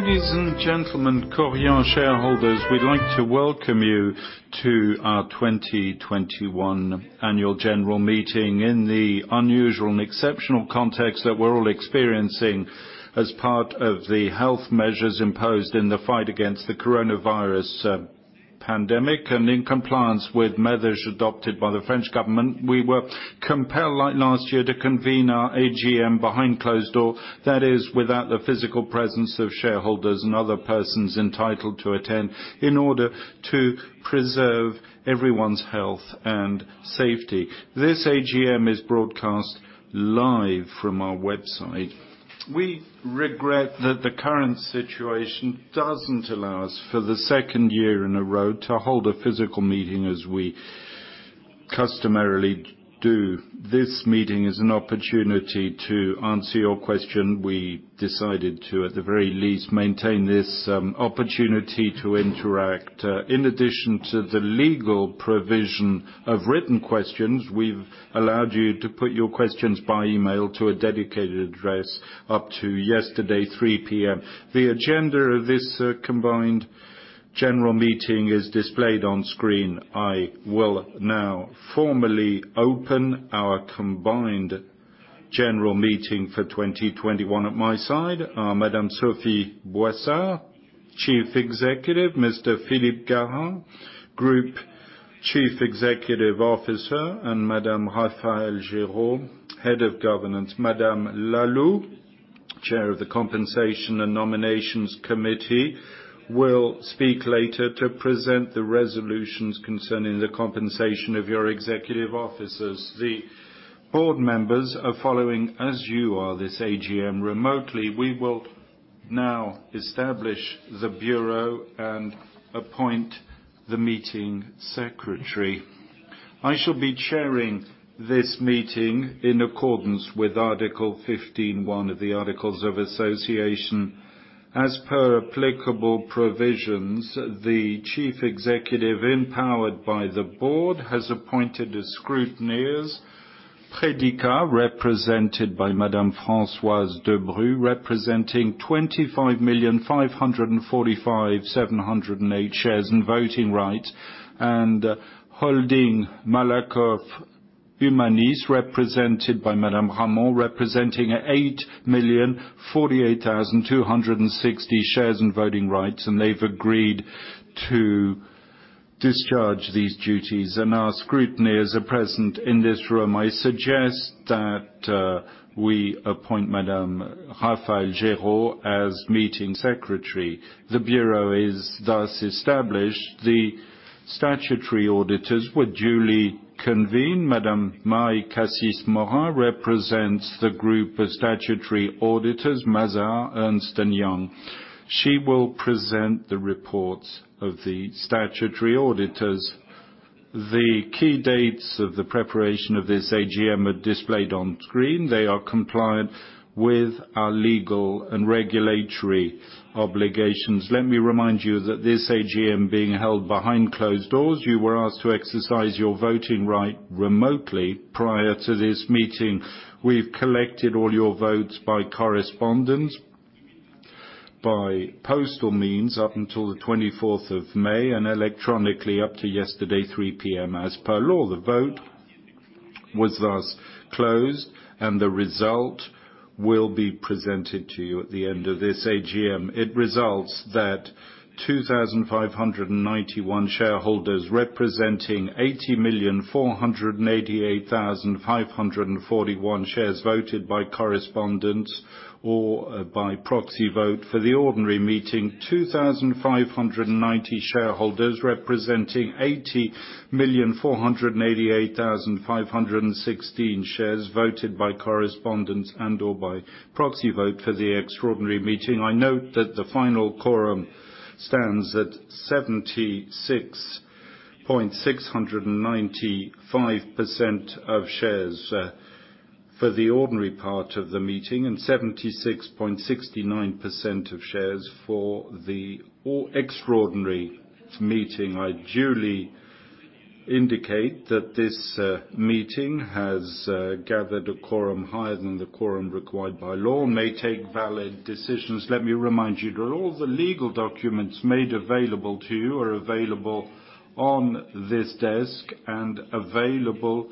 Ladies and gentlemen, Korian shareholders, we'd like to welcome you to our 2021 annual general meeting in the unusual and exceptional context that we're all experiencing as part of the health measures imposed in the fight against the coronavirus pandemic. In compliance with measures adopted by the French government, we were compelled, like last year, to convene our AGM behind closed doors. That is, without the physical presence of shareholders and other persons entitled to attend, in order to preserve everyone's health and safety. This AGM is broadcast live from our website. We regret that the current situation doesn't allow us, for the second year in a row, to hold a physical meeting as we customarily do. This meeting is an opportunity to answer your questions. We decided to, at the very least, maintain this opportunity to interact. In addition to the legal provision of written questions, we've allowed you to put your questions by email to a dedicated address up to yesterday, 3:00 P.M. The agenda of this combined general meeting is displayed on screen. I will now formally open our combined general meeting for 2021. At my side are Madam Sophie Boissard, Chief Executive, Mr. Philippe Carrer, Group Chief Executive Officer, and Madam Raphaëlle Girault, Head of Governance. Madam Lalou, Chair of the Compensation and Nominations Committee, will speak later to present the resolutions concerning the compensation of your executive officers. The board members are following, as you are, this AGM remotely. We will now establish the bureau and appoint the meeting secretary. I shall be chairing this meeting in accordance with Article 15-1 of the Articles of Association. As per applicable provisions, the chief executive, empowered by the board, has appointed as scrutineers, Predica, represented by Madame Françoise Debrus, representing 25,545,708 shares in voting rights, and Holding Malakoff Humanis, represented by Madame Ramon, representing 8,048,260 shares in voting rights. They've agreed to discharge these duties. Our scrutineers are present in this room. I suggest that we appoint Madame Raphaëlle Girault as meeting secretary. The bureau is thus established. The statutory auditors were duly convened. Madame Marie-Cécile Moinier represents the group of statutory auditors, Mazars, Ernst & Young. She will present the reports of the statutory auditors. The key dates of the preparation of this AGM are displayed on screen. They are compliant with our legal and regulatory obligations. Let me remind you that this AGM being held behind closed doors, you were asked to exercise your voting right remotely prior to this meeting. We've collected all your votes by correspondence, by postal means up until the 24th of May, and electronically up to yesterday, 3:00 P.M. As per law, the vote was thus closed, and the result will be presented to you at the end of this AGM. It results that 2,591 shareholders, representing 80,488,541 shares, voted by correspondence or by proxy vote for the ordinary meeting. 2,590 shareholders, representing 80,488,516 shares, voted by correspondence and/or by proxy vote for the extraordinary meeting. I note that the final quorum stands at 76.695% of shares for the ordinary part of the meeting, and 76.69% of shares for the extraordinary meeting. I duly indicate that this meeting has gathered a quorum higher than the quorum required by law and may take valid decisions. Let me remind you that all the legal documents made available to you are available on this desk and available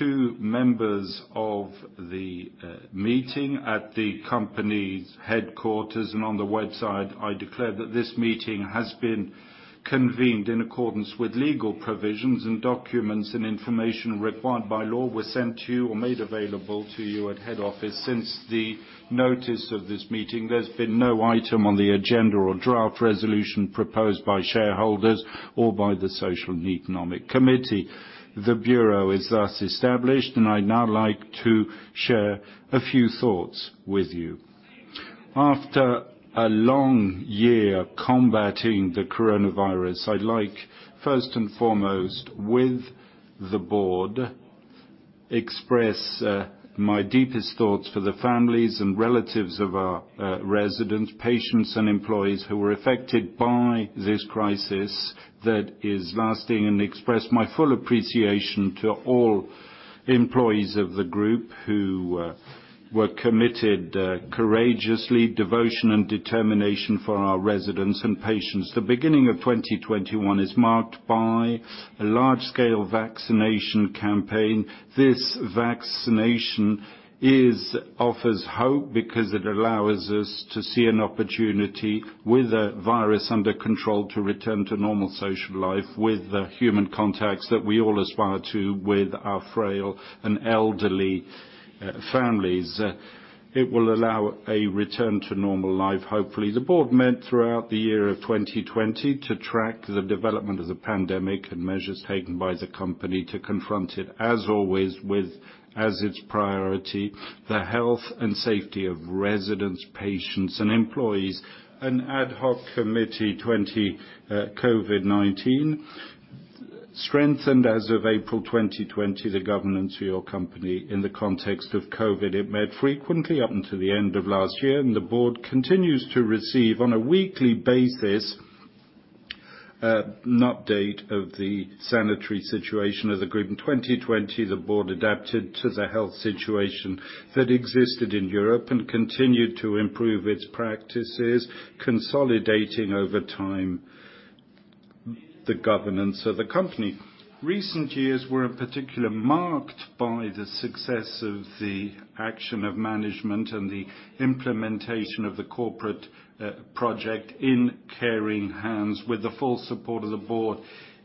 to members of the meeting at the company's headquarters and on the website. I declare that this meeting has been convened in accordance with legal provisions, and documents and information required by law were sent to you or made available to you at head office. Since the notice of this meeting, there's been no item on the agenda or draft resolution proposed by shareholders or by the social and economic committee. The bureau is thus established, and I'd now like to share a few thoughts with you. After a long year combating the coronavirus, I'd like, first and foremost, with the board, express my deepest thoughts for the families and relatives of our residents, patients, and employees who were affected by this crisis that is lasting, and express my full appreciation to all employees of the group who were committed courageously, devotion, and determination for our residents and patients. The beginning of 2021 is marked by a large-scale vaccination campaign. This vaccination offers hope because it allows us to see an opportunity, with the virus under control, to return to normal social life with the human contacts that we all aspire to with our frail and elderly families. It will allow a return to normal life, hopefully. The board met throughout the year of 2020 to track the development of the pandemic and measures taken by the company to confront it. As always, with as its priority the health and safety of residents, patients, and employees. An ad hoc committee on COVID-19 strengthened as of April 2020 the governance of your company in the context of COVID-19. It met frequently up until the end of last year. The board continues to receive, on a weekly basis, an update of the sanitary situation of the group. In 2020, the board adapted to the health situation that existed in Europe and continued to improve its practices, consolidating over time the governance of the company. Recent years were in particular marked by the success of the action of management and the implementation of the corporate project In Caring Hands with the full support of the board.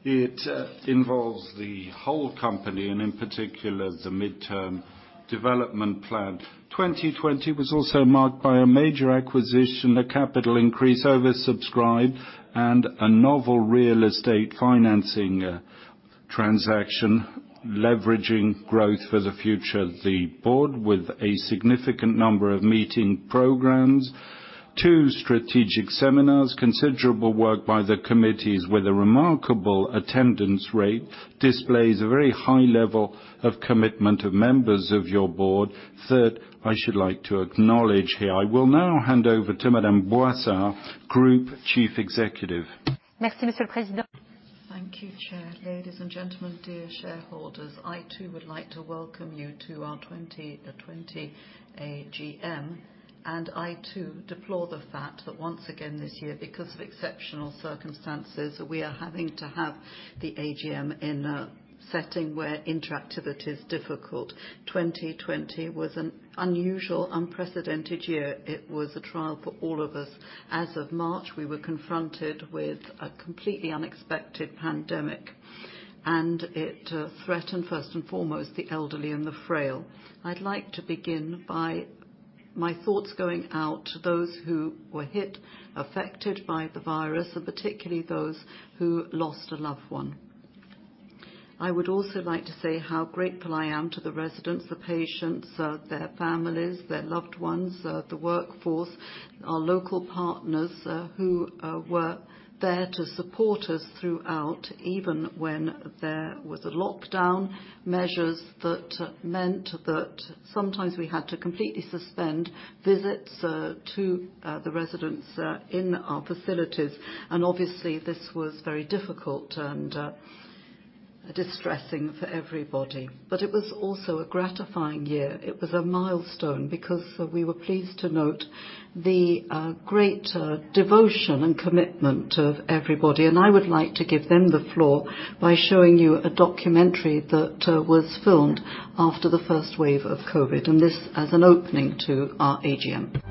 It involves the whole company, and in particular, the midterm development plan. 2020 was also marked by a major acquisition, a capital increase oversubscribed, and a novel real estate financing transaction leveraging growth for the future. The board, with a significant number of meeting programs, two strategic seminars, considerable work by the committees with a remarkable attendance rate, displays a very high level of commitment of members of your board that I should like to acknowledge here. I will now hand over to Madame Boissard, Group Chief Executive. Thank you, Chair. Ladies and gentlemen, dear shareholders, I too would like to welcome you to our 2020 AGM. I too deplore the fact that once again this year, because of exceptional circumstances, we are having to have the AGM in a setting where interactivity is difficult. 2020 was an unusual, unprecedented year. It was a trial for all of us. As of March, we were confronted with a completely unexpected pandemic. It threatened, first and foremost, the elderly and the frail. I'd like to begin by my thoughts going out to those who were hit, affected by the virus, and particularly those who lost a loved one. I would also like to say how grateful I am to the residents, the patients, their families, their loved ones, the workforce, our local partners who were there to support us throughout, even when there was a lockdown, measures that meant that sometimes we had to completely suspend visits to the residents in our facilities. Obviously, this was very difficult and distressing for everybody. It was also a gratifying year. It was a milestone because we were pleased to note the great devotion and commitment of everybody. I would like to give them the floor by showing you a documentary that was filmed after the first wave of COVID, and this as an opening to our AGM.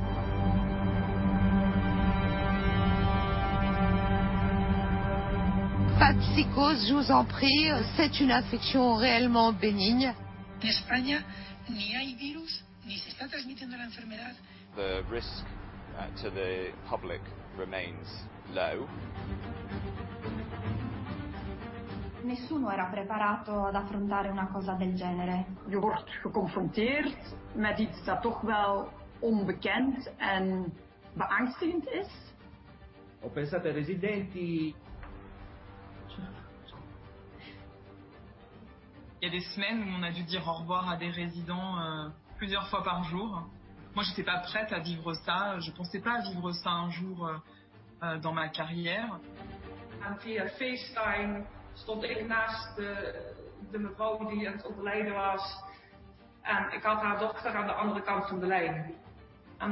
The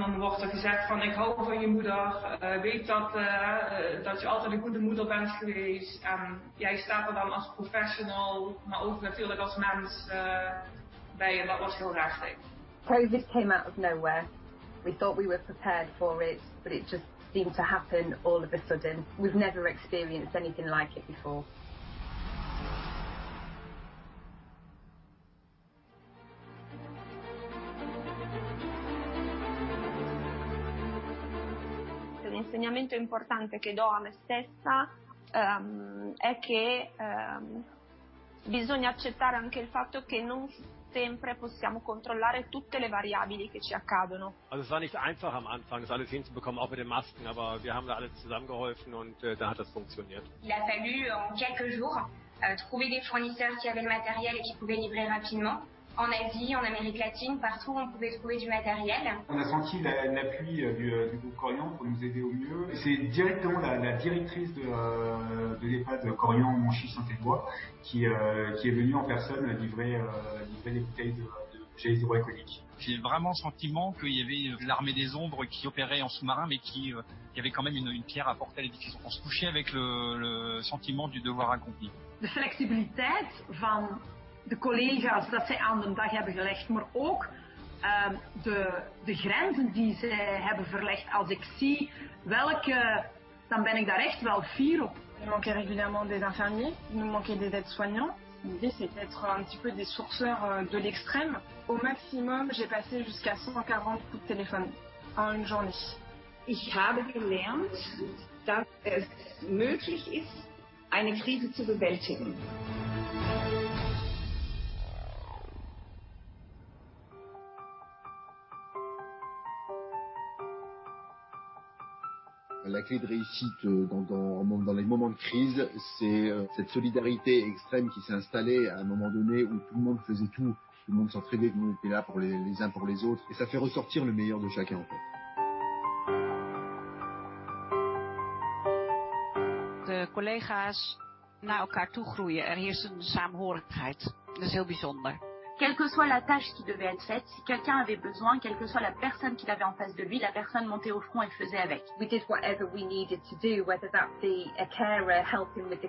risk to the public remains low. COVID came out of nowhere. We thought we were prepared for it, but it just seemed to happen all of a sudden. We've never experienced anything like it before. [Non English-Content] [Non English-Content] [Non English-Content] [Non English-Content] [Non English-Content] [Non English-Content] [Non English-Content] [Non English-Content] [Non English-Content] [Non English-Content] Whatever we needed to do, whether that be a carer helping with the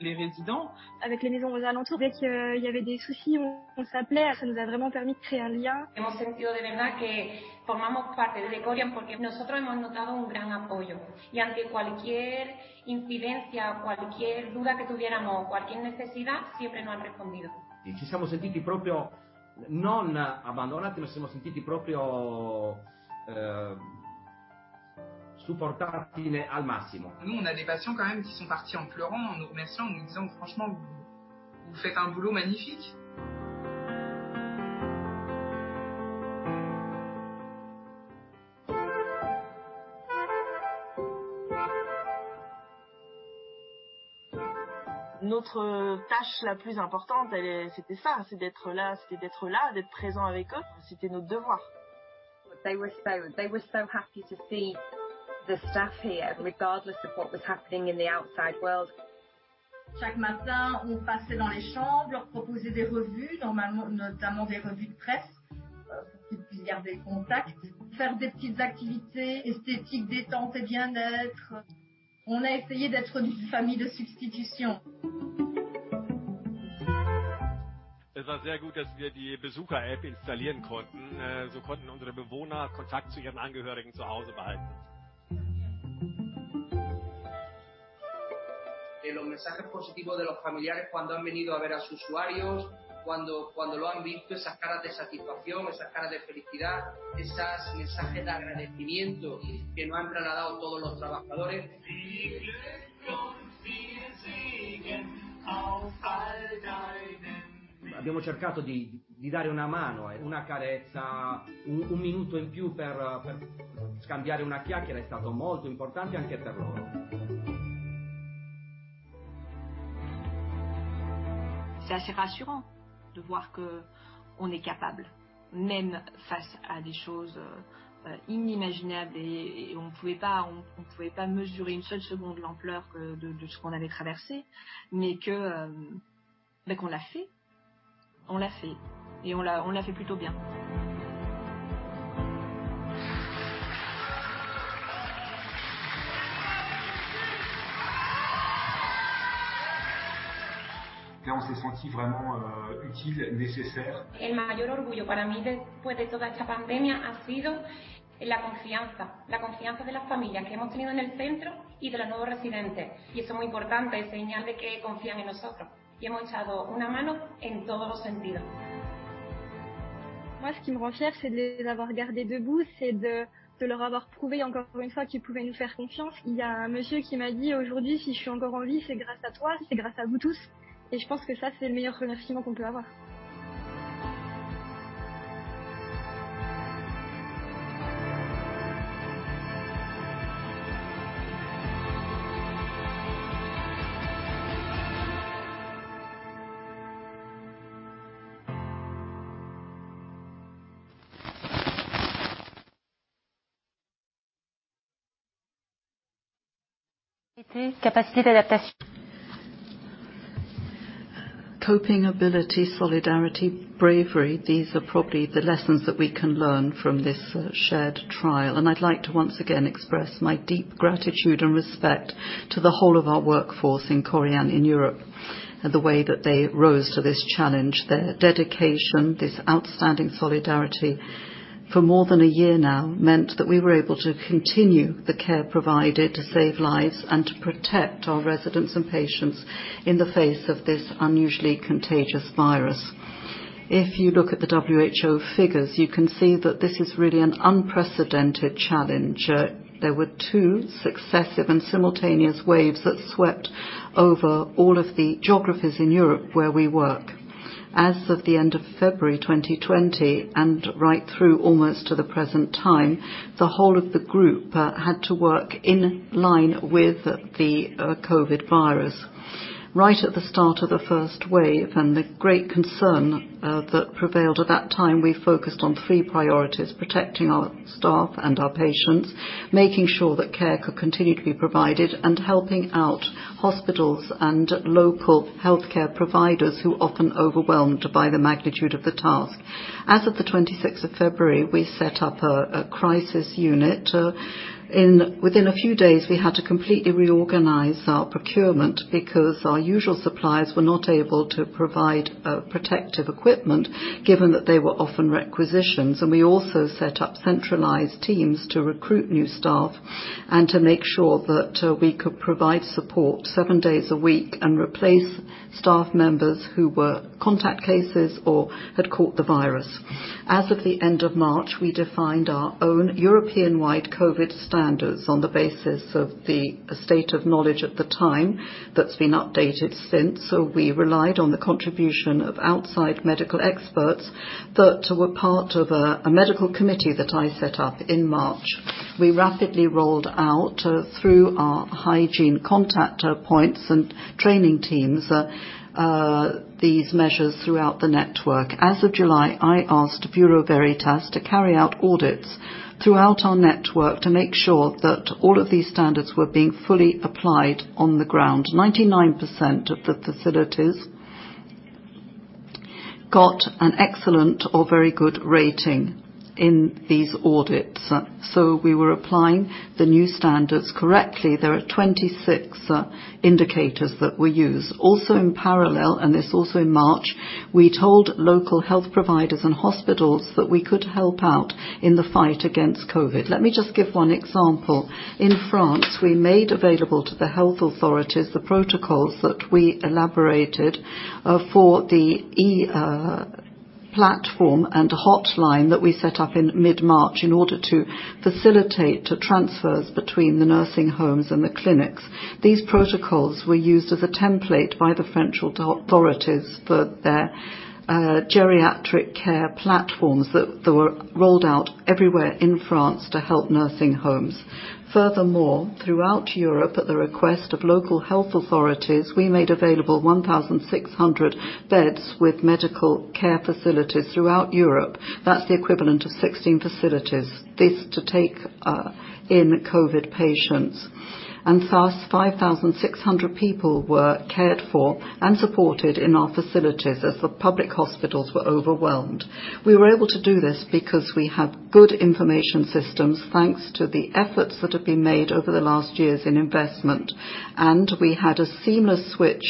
cleaning or the rest team helping with cooking. [Non English-Content] [Non English-Content] [Non English-Content] [Non English-Content] [Non English-Content] [Non English-Content] They were so happy to see the staff here with us despite what was happening in the outside world. [Non English-Content] [Non English-Content] [Non English-Content] [Non English-Content] [Non English-Content] [Non English-Content] [Non English-Content] [Non English-Content] Coping ability, solidarity, bravery. These are probably the lessons that we can learn from this shared trial. I'd like to once again express my deep gratitude and respect to the whole of our workforce in Korian in Europe, and the way that they rose to this challenge, their dedication, this outstanding solidarity. For more than a year now, meant that we were able to continue the care provided to save lives and to protect our residents and patients in the face of this unusually contagious virus. If you look at the WHO figures, you can see that this is really an unprecedented challenge. There were two successive and simultaneous waves that swept over all of the geographies in Europe where we work. As of the end of February 2020, and right through almost to the present time, the whole of the group had to work in line with the COVID virus. Right at the start of the first wave, the great concern that prevailed at that time, we focused on three priorities: protecting our staff and our patients, making sure that care could continue to be provided, and helping out hospitals and local healthcare providers who often overwhelmed by the magnitude of the task. As of the 26th of February, we set up a crisis unit. Within a few days, we had to completely reorganize our procurement because our usual suppliers were not able to provide protective equipment, given that they were often requisitions. We also set up centralized teams to recruit new staff and to make sure that we could provide support seven days a week and replace staff members who were contact cases or had caught the virus. As of the end of March, we defined our own European-wide COVID standards on the basis of the state of knowledge at the time that's been updated since. We relied on the contribution of outside medical experts that were part of a medical committee that I set up in March. We rapidly rolled out, through our hygiene contact points and training teams, these measures throughout the network. As of July, I asked Bureau Veritas to carry out audits throughout our network to make sure that all of these standards were being fully applied on the ground. 99% of the facilities got an excellent or very good rating in these audits. We were applying the new standards correctly. There are 26 indicators that we use. In parallel, and this also in March, we told local health providers and hospitals that we could help out in the fight against COVID. Let me just give one example. In France, we made available to the health authorities the protocols that we elaborated for the e-platform and hotline that we set up in mid-March in order to facilitate transfers between the nursing homes and the clinics. These protocols were used as a template by the French authorities for their geriatric care platforms that were rolled out everywhere in France to help nursing homes. Furthermore, throughout Europe, at the request of local health authorities, we made available 1,600 beds with medical care facilities throughout Europe. That's the equivalent of 16 facilities. This to take in COVID patients. Thus 5,600 people were cared for and supported in our facilities as the public hospitals were overwhelmed. We were able to do this because we have good information systems, thanks to the efforts that have been made over the last years in investment. We had a seamless switch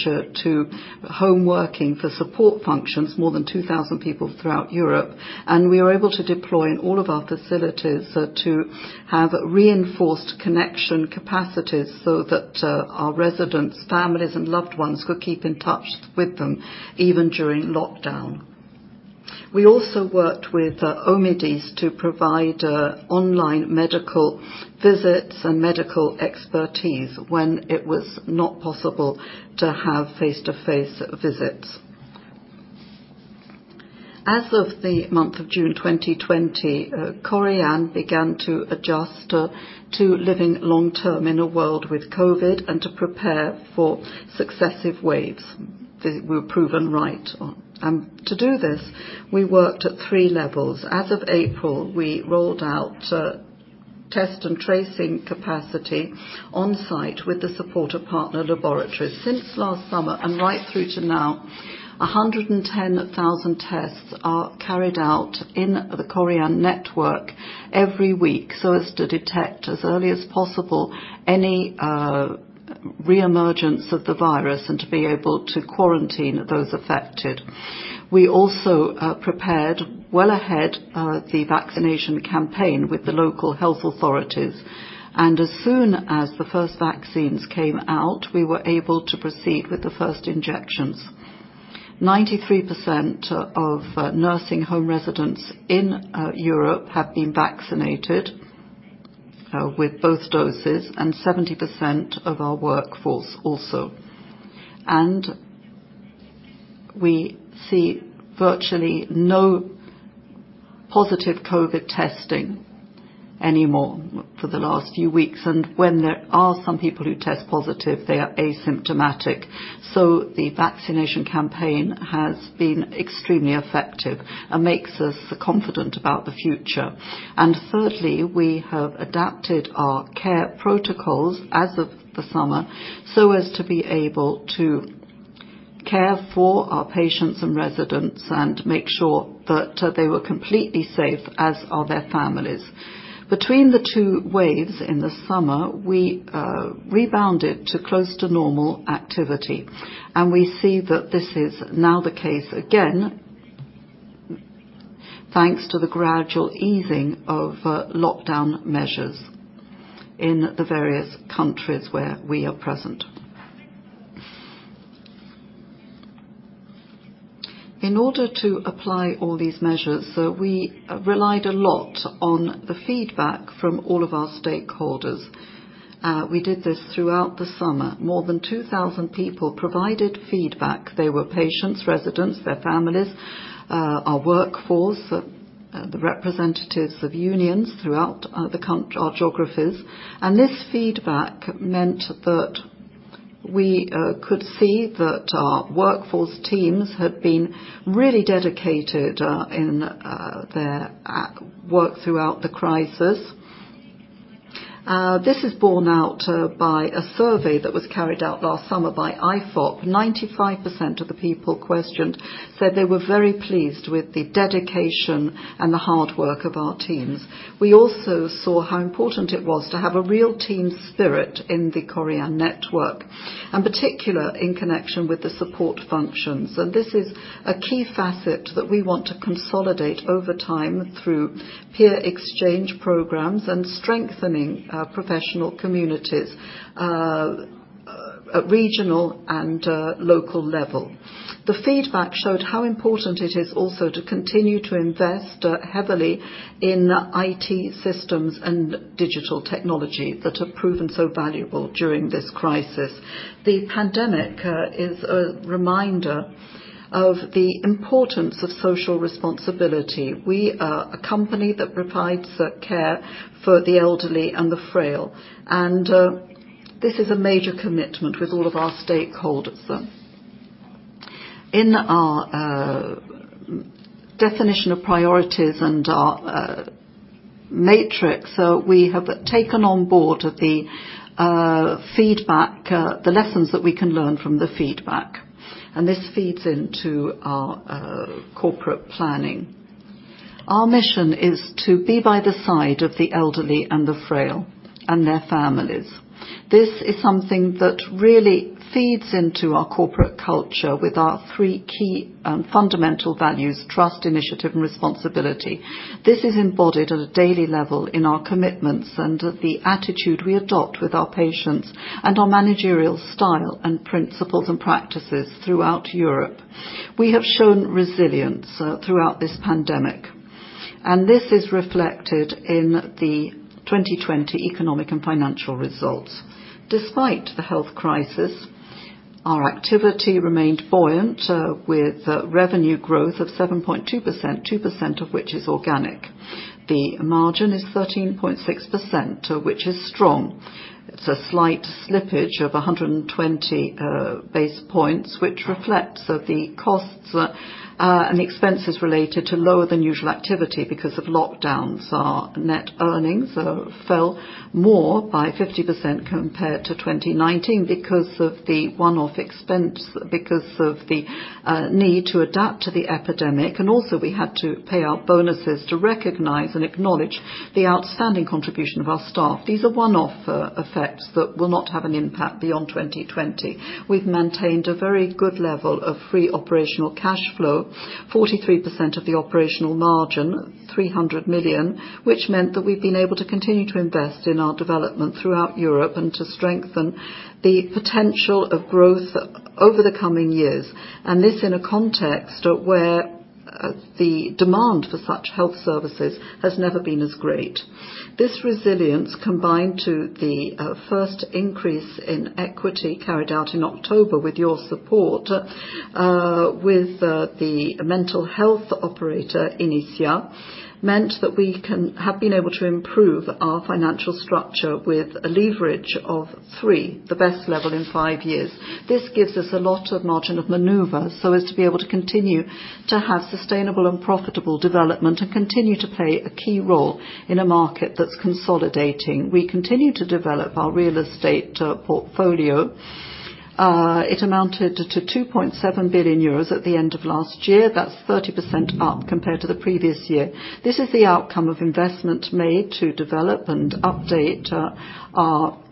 to home working for support functions, more than 2,000 people throughout Europe. We were able to deploy in all of our facilities to have reinforced connection capacities so that our residents families and loved ones could keep in touch with them even during lockdown. We also worked with Omedys to provide online medical visits and medical expertise when it was not possible to have face-to-face visits. As of the month of June 2020, Clariane began to adjust to living long-term in a world with COVID and to prepare for successive waves. They were proven right. To do this, we worked at three levels. As of April, we rolled out test and tracing capacity on-site with the support of partner laboratories. Since last summer and right through to now, 110,000 tests are carried out in the Clariane network every week so as to detect as early as possible any reemergence of the virus and to be able to quarantine those affected. We also prepared well ahead the vaccination campaign with the local health authorities. As soon as the first vaccines came out, we were able to proceed with the first injections. 93% of nursing home residents in Europe have been vaccinated with both doses, 70% of our workforce also. We see virtually no positive COVID testing anymore for the last few weeks. When there are some people who test positive, they are asymptomatic. The vaccination campaign has been extremely effective and makes us confident about the future. Thirdly, we have adapted our care protocols as of the summer so as to be able to care for our patients and residents and make sure that they were completely safe, as are their families. Between the two waves in the summer, we rebounded to close to normal activity. We see that this is now the case again, thanks to the gradual easing of lockdown measures in the various countries where we are present. In order to apply all these measures, we relied a lot on the feedback from all of our stakeholders. We did this throughout the summer. More than 2,000 people provided feedback. They were patients, residents, their families, our workforce, the representatives of unions throughout our geographies. This feedback meant that we could see that our workforce teams had been really dedicated in their work throughout the crisis. This is borne out by a survey that was carried out last summer by IFOP. 95% of the people questioned said they were very pleased with the dedication and the hard work of our teams. We also saw how important it was to have a real team spirit in the Clariane network, and particular in connection with the support functions. This is a key facet that we want to consolidate over time through peer exchange programs and strengthening our professional communities at regional and local level. The feedback showed how important it is also to continue to invest heavily in IT systems and digital technology that have proven so valuable during this crisis. The pandemic is a reminder of the importance of social responsibility. We are a company that provides care for the elderly and the frail, and this is a major commitment with all of our stakeholders. In our definition of priorities and our matrix, we have taken on board the lessons that we can learn from the feedback. This feeds into our corporate planning. Our mission is to be by the side of the elderly and the frail and their families. This is something that really feeds into our corporate culture with our three key fundamental values, trust, initiative, and responsibility. This is embodied at a daily level in our commitments and the attitude we adopt with our patients and our managerial style and principles and practices throughout Europe. We have shown resilience throughout this pandemic. This is reflected in the 2020 economic and financial results. Despite the health crisis, our activity remained buoyant with revenue growth of 7.2%, 2% of which is organic. The margin is 13.6%, which is strong. It's a slight slippage of 120 basis points, which reflects the costs and expenses related to lower than usual activity because of lockdowns. Our net earnings fell more by 50% compared to 2019 because of the one-off expense because of the need to adapt to the epidemic. Also we had to pay out bonuses to recognize and acknowledge the outstanding contribution of our staff. These are one-off effects that will not have an impact beyond 2020. We've maintained a very good level of free operational cash flow, 43% of the operational margin, 300 million, which meant that we've been able to continue to invest in our development throughout Europe and to strengthen the potential of growth over the coming years. This in a context where the demand for such health services has never been as great. This resilience combined to the first increase in equity carried out in October with your support, with the mental health operator, Inicea, meant that we have been able to improve our financial structure with a leverage of three, the best level in five years. This gives us a lot of margin of maneuver to be able to continue to have sustainable and profitable development and continue to play a key role in a market that's consolidating. We continue to develop our real estate portfolio. It amounted to 2.7 billion euros at the end of last year. That's 30% up compared to the previous year. This is the outcome of investment made to develop and update our network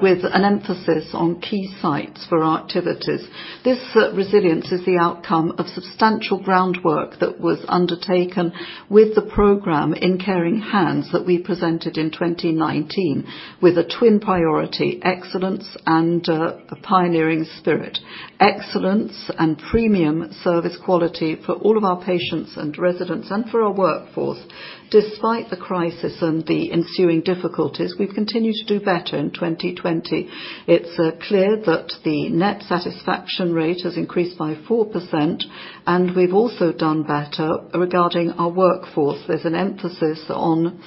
with an emphasis on key sites for our activities. This resilience is the outcome of substantial groundwork that was undertaken with the program In Caring Hands that we presented in 2019 with a twin priority, excellence and a pioneering spirit. Excellence and premium service quality for all of our patients and residents and for our workforce. Despite the crisis and the ensuing difficulties, we've continued to do better in 2020. It's clear that the net satisfaction rate has increased by 4%, and we've also done better regarding our workforce. There's an emphasis on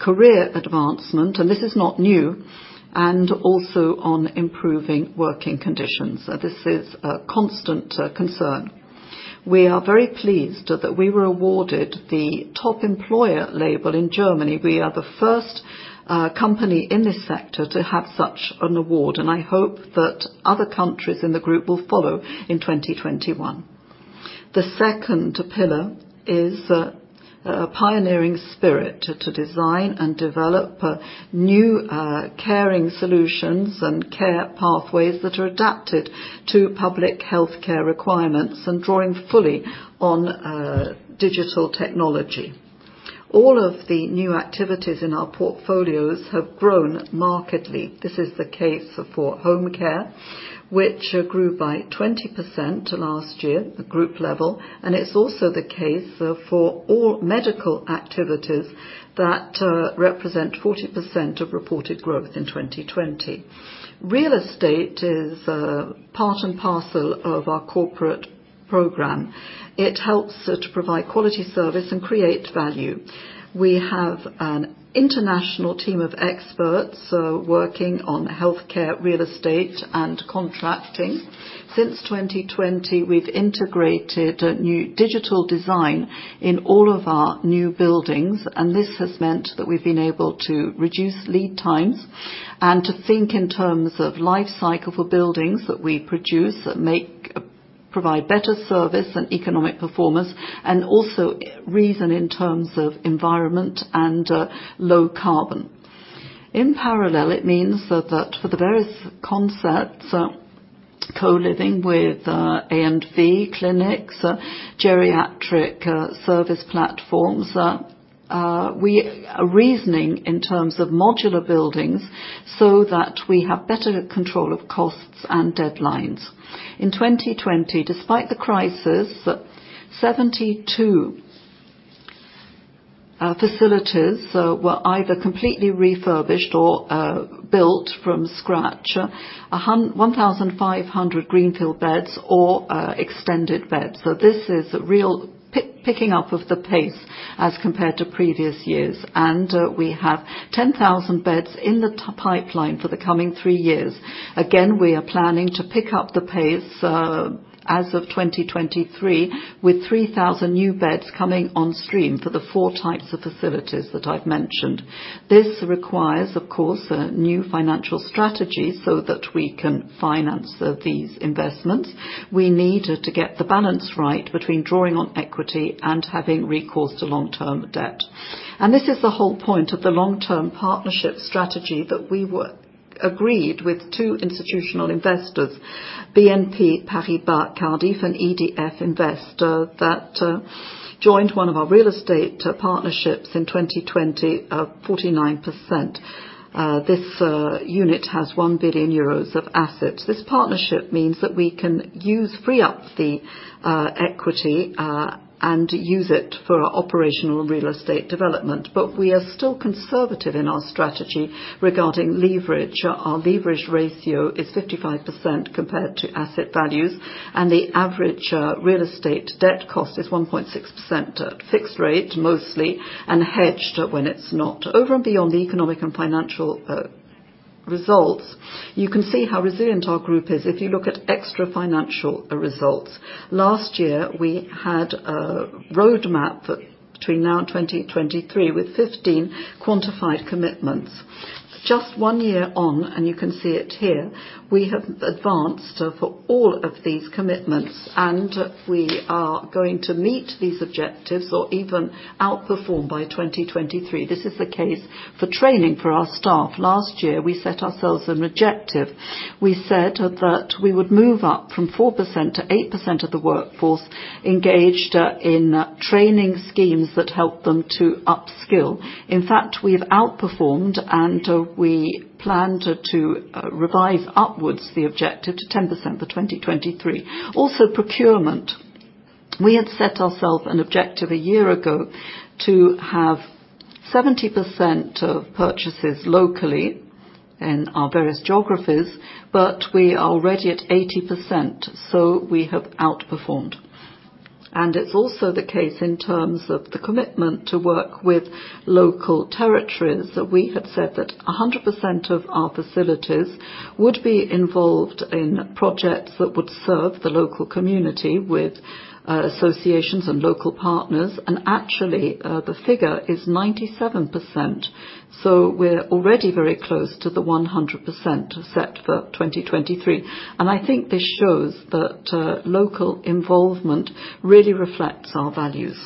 career advancement, and this is not new, and also on improving working conditions. This is a constant concern. We are very pleased that we were awarded the Top Employer label in Germany. We are the first company in this sector to have such an award, and I hope that other countries in the group will follow in 2021. The second pillar is a pioneering spirit to design and develop new caring solutions and care pathways that are adapted to public healthcare requirements and drawing fully on digital technology. All of the new activities in our portfolios have grown markedly. This is the case for home care, which grew by 20% last year at group level, and it's also the case for all medical activities that represent 40% of reported growth in 2020. Real estate is part and parcel of our corporate program. It helps to provide quality service and create value. We have an international team of experts working on healthcare real estate and contracting. Since 2020, we've integrated new digital design in all of our new buildings, this has meant that we've been able to reduce lead times and to think in terms of life cycle for buildings that we produce that provide better service and economic performance, and also reason in terms of environment and low carbon. In parallel, it means that for the various concepts, co-living with AMV clinics, geriatric service platforms, we are reasoning in terms of modular buildings so that we have better control of costs and deadlines. In 2020, despite the crisis, 72 facilities were either completely refurbished or built from scratch, 1,500 greenfield beds or extended beds. This is real picking up of the pace as compared to previous years. We have 10,000 beds in the pipeline for the coming three years. We are planning to pick up the pace as of 2023 with 3,000 new beds coming on stream for the four types of facilities that I've mentioned. This requires, of course, new financial strategies so that we can finance these investments. We need to get the balance right between drawing on equity and having recourse to long-term debt. This is the whole point of the long-term partnership strategy that we agreed with two institutional investors, BNP Paribas Cardif and EDF Invest, that joined one of our real estate partnerships in 2020 of 49%. This unit has 1 billion euros of assets. This partnership means that we can free up the equity and use it for operational real estate development. We are still conservative in our strategy regarding leverage. Our leverage ratio is 55% compared to asset values, and the average real estate debt cost is 1.6% at fixed rate, mostly, and hedged when it is not. Over and beyond the economic and financial results, you can see how resilient our group is if you look at extra-financial results. Last year, we had a road map between now and 2023 with 15 quantified commitments. Just one year on, and you can see it here, we have advanced for all of these commitments, and we are going to meet these objectives or even outperform by 2023. This is the case for training for our staff. Last year, we set ourselves an objective. We said that we would move up from 4%-8% of the workforce engaged in training schemes that help them to upskill. In fact, we have outperformed, and we plan to revise upwards the objective to 10% for 2023. Also procurement. We had set ourselves an objective a year ago to have 70% of purchases locally in our various geographies, but we are already at 80%, so we have outperformed. It's also the case in terms of the commitment to work with local territories. We had said that 100% of our facilities would be involved in projects that would serve the local community with associations and local partners. Actually, the figure is 97%. We're already very close to the 100% set for 2023. I think this shows that local involvement really reflects our values.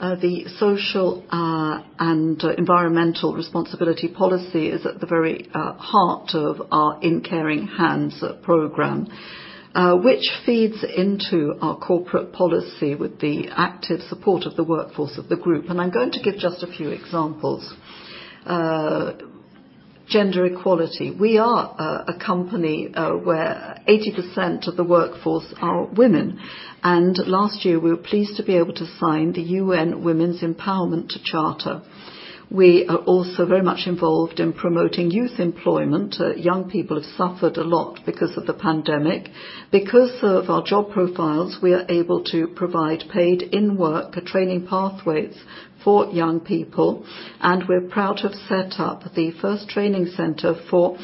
The social and environmental responsibility policy is at the very heart of our In Caring Hands program, which feeds into our corporate policy with the active support of the workforce of the group. I'm going to give just a few examples. Gender equality. We are a company where 80% of the workforce are women, and last year, we were pleased to be able to sign the Women's Empowerment Principles. We are also very much involved in promoting youth employment. Young people have suffered a lot because of the pandemic. Because of our job profiles, we are able to provide paid in-work training pathways for young people, and we're proud to have set up the first training center for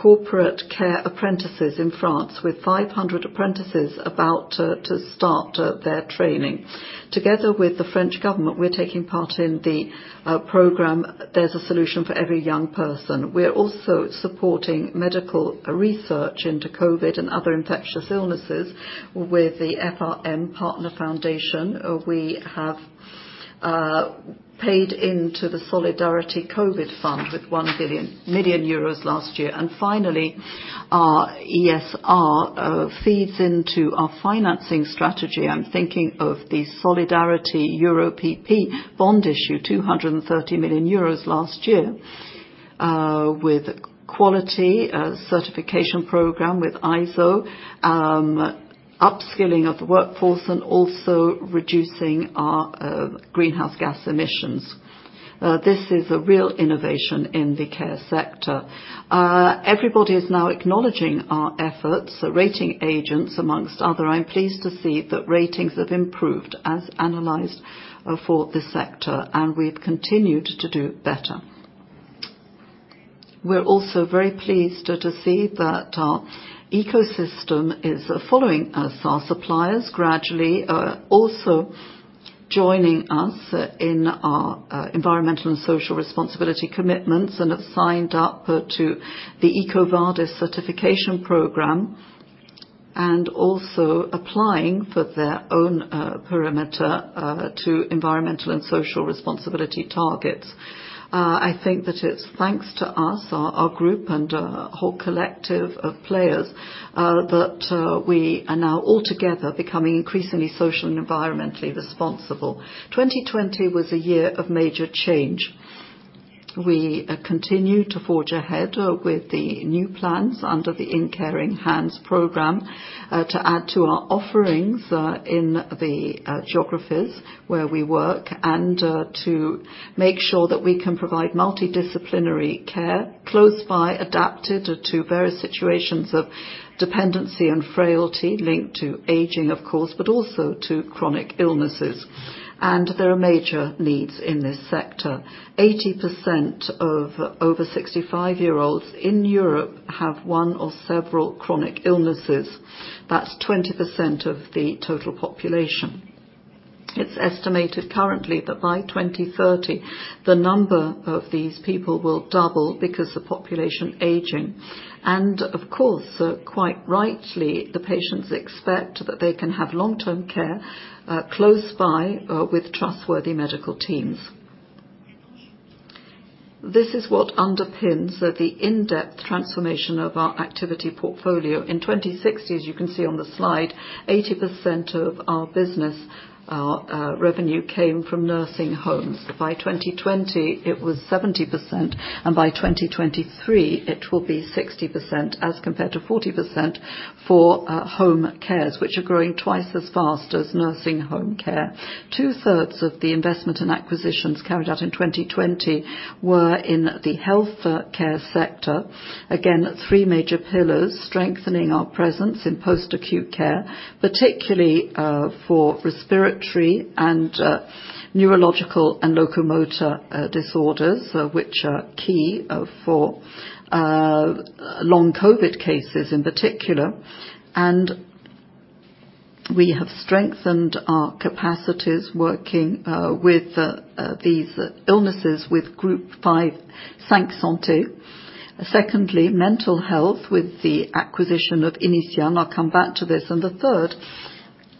corporate care apprentices in France, with 500 apprentices about to start their training. Together with the French government, we're taking part in the program, one jeune, one solution. We're also supporting medical research into COVID-19 and other infectious illnesses with the Fondation pour la Recherche Médicale. We have paid into the Covid Solidarity Fund with 1 billion euros last year. Finally, our CSR feeds into our financing strategy. I'm thinking of the Solidarity Euro PP bond issue, 230 million euros last year, with quality certification program with ISO, upskilling of the workforce, and also reducing our greenhouse gas emissions. This is a real innovation in the care sector. Everybody is now acknowledging our efforts, the rating agents, amongst others. I'm pleased to see that ratings have improved as analyzed for the sector, and we've continued to do better. We're also very pleased to see that our ecosystem is following us. Our suppliers gradually are also joining us in our environmental and social responsibility commitments and have signed up to the EcoVadis certification program, and also applying for their own perimeter to environmental and social responsibility targets. I think that it's thanks to us, our group, and a whole collective of players that we are now altogether becoming increasingly social and environmentally responsible. 2020 was a year of major change. We continue to forge ahead with the new plans under the In Caring Hands program to add to our offerings in the geographies where we work and to make sure that we can provide multidisciplinary care close by, adapted to various situations of dependency and frailty linked to aging, of course, but also to chronic illnesses. There are major needs in this sector. 80% of over 65-year-olds in Europe have one or several chronic illnesses. That's 20% of the total population. It's estimated currently that by 2030, the number of these people will double because of population aging. Of course, quite rightly, the patients expect that they can have long-term care close by with trustworthy medical teams. This is what underpins the in-depth transformation of our activity portfolio. In 2016, as you can see on the slide, 80% of our business revenue came from nursing homes. By 2020, it was 70%, and by 2023, it will be 60%, as compared to 40% for home cares, which are growing twice as fast as nursing home care. 2/3 of the investment and acquisitions carried out in 2020 were in the healthcare sector. Again, three major pillars strengthening our presence in post-acute care, particularly for respiratory and neurological and locomotor disorders, which are key for long COVID cases in particular. We have strengthened our capacities working with these illnesses with Groupe 5 Santé. Secondly, mental health with the acquisition of Inicea, and I'll come back to this. The third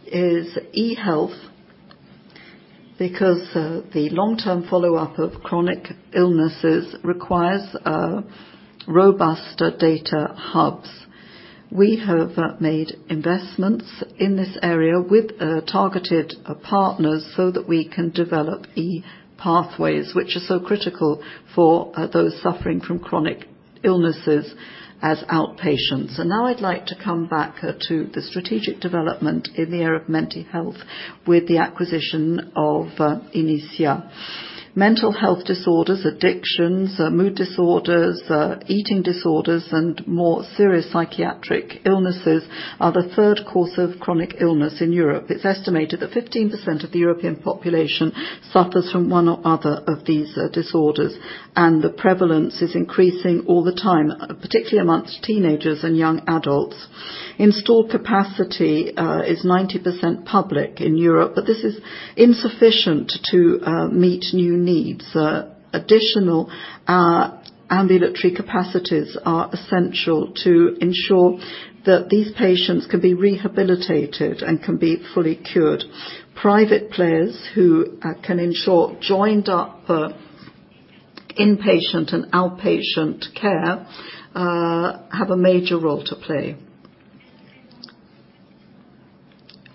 is e-health, because the long-term follow-up of chronic illnesses requires robust data hubs. We have made investments in this area with targeted partners so that we can develop e-pathways, which are so critical for those suffering from chronic illnesses as outpatients. Now I'd like to come back to the strategic development in the area of mental health with the acquisition of Inicea. Mental health disorders, addictions, mood disorders, eating disorders, and more serious psychiatric illnesses are the third cause of chronic illness in Europe. It's estimated that 15% of the European population suffers from one or other of these disorders, and the prevalence is increasing all the time, particularly amongst teenagers and young adults. Installed capacity is 90% public in Europe, but this is insufficient to meet new needs. Additional ambulatory capacities are essential to ensure that these patients can be rehabilitated and can be fully cured. Private players who can ensure joined up inpatient and outpatient care have a major role to play.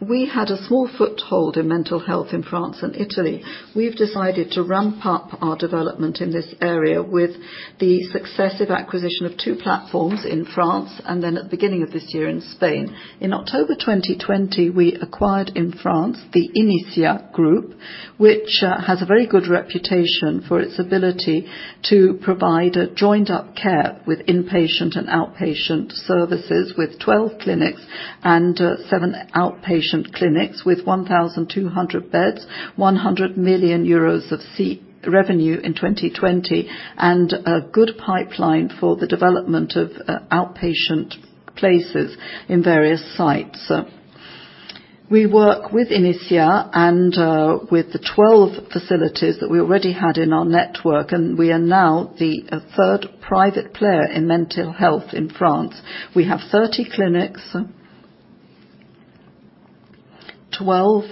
We had a small foothold in mental health in France and Italy. We've decided to ramp up our development in this area with the successive acquisition of two platforms in France, and then at the beginning of this year in Spain. In October 2020, we acquired in France the Inicea group, which has a very good reputation for its ability to provide joined-up care with inpatient and outpatient services, with 12 clinics and seven outpatient clinics with 1,200 beds, 100 million euros of revenue in 2020, and a good pipeline for the development of outpatient places in various sites. We work with Inicea and with the 12 facilities that we already had in our network. We are now the third private player in mental health in France. We have 30 clinics, 12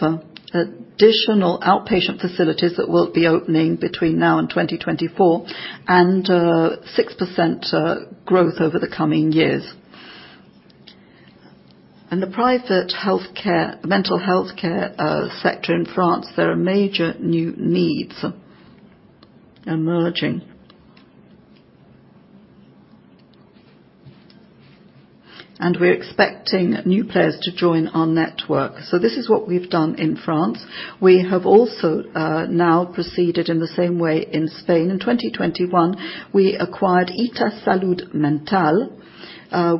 additional outpatient facilities that will be opening between now and 2024, and 6% growth over the coming years. In the private mental health care sector in France, there are major new needs emerging. We're expecting new players to join our network. This is what we've done in France. We have also now proceeded in the same way in Spain. In 2021, we acquired Ita Salud Mental,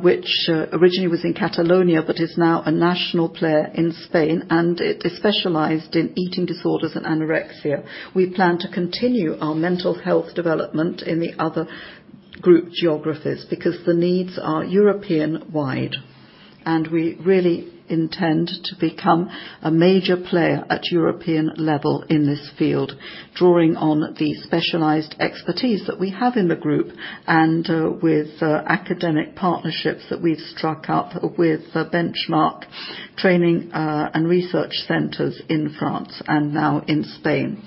which originally was in Catalonia but is now a national player in Spain, and it is specialized in eating disorders and anorexia. We plan to continue our mental health development in the other group geographies because the needs are European-wide. We really intend to become a major player at European level in this field, drawing on the specialized expertise that we have in the group and with academic partnerships that we've struck up with benchmark training and research centers in France and now in Spain.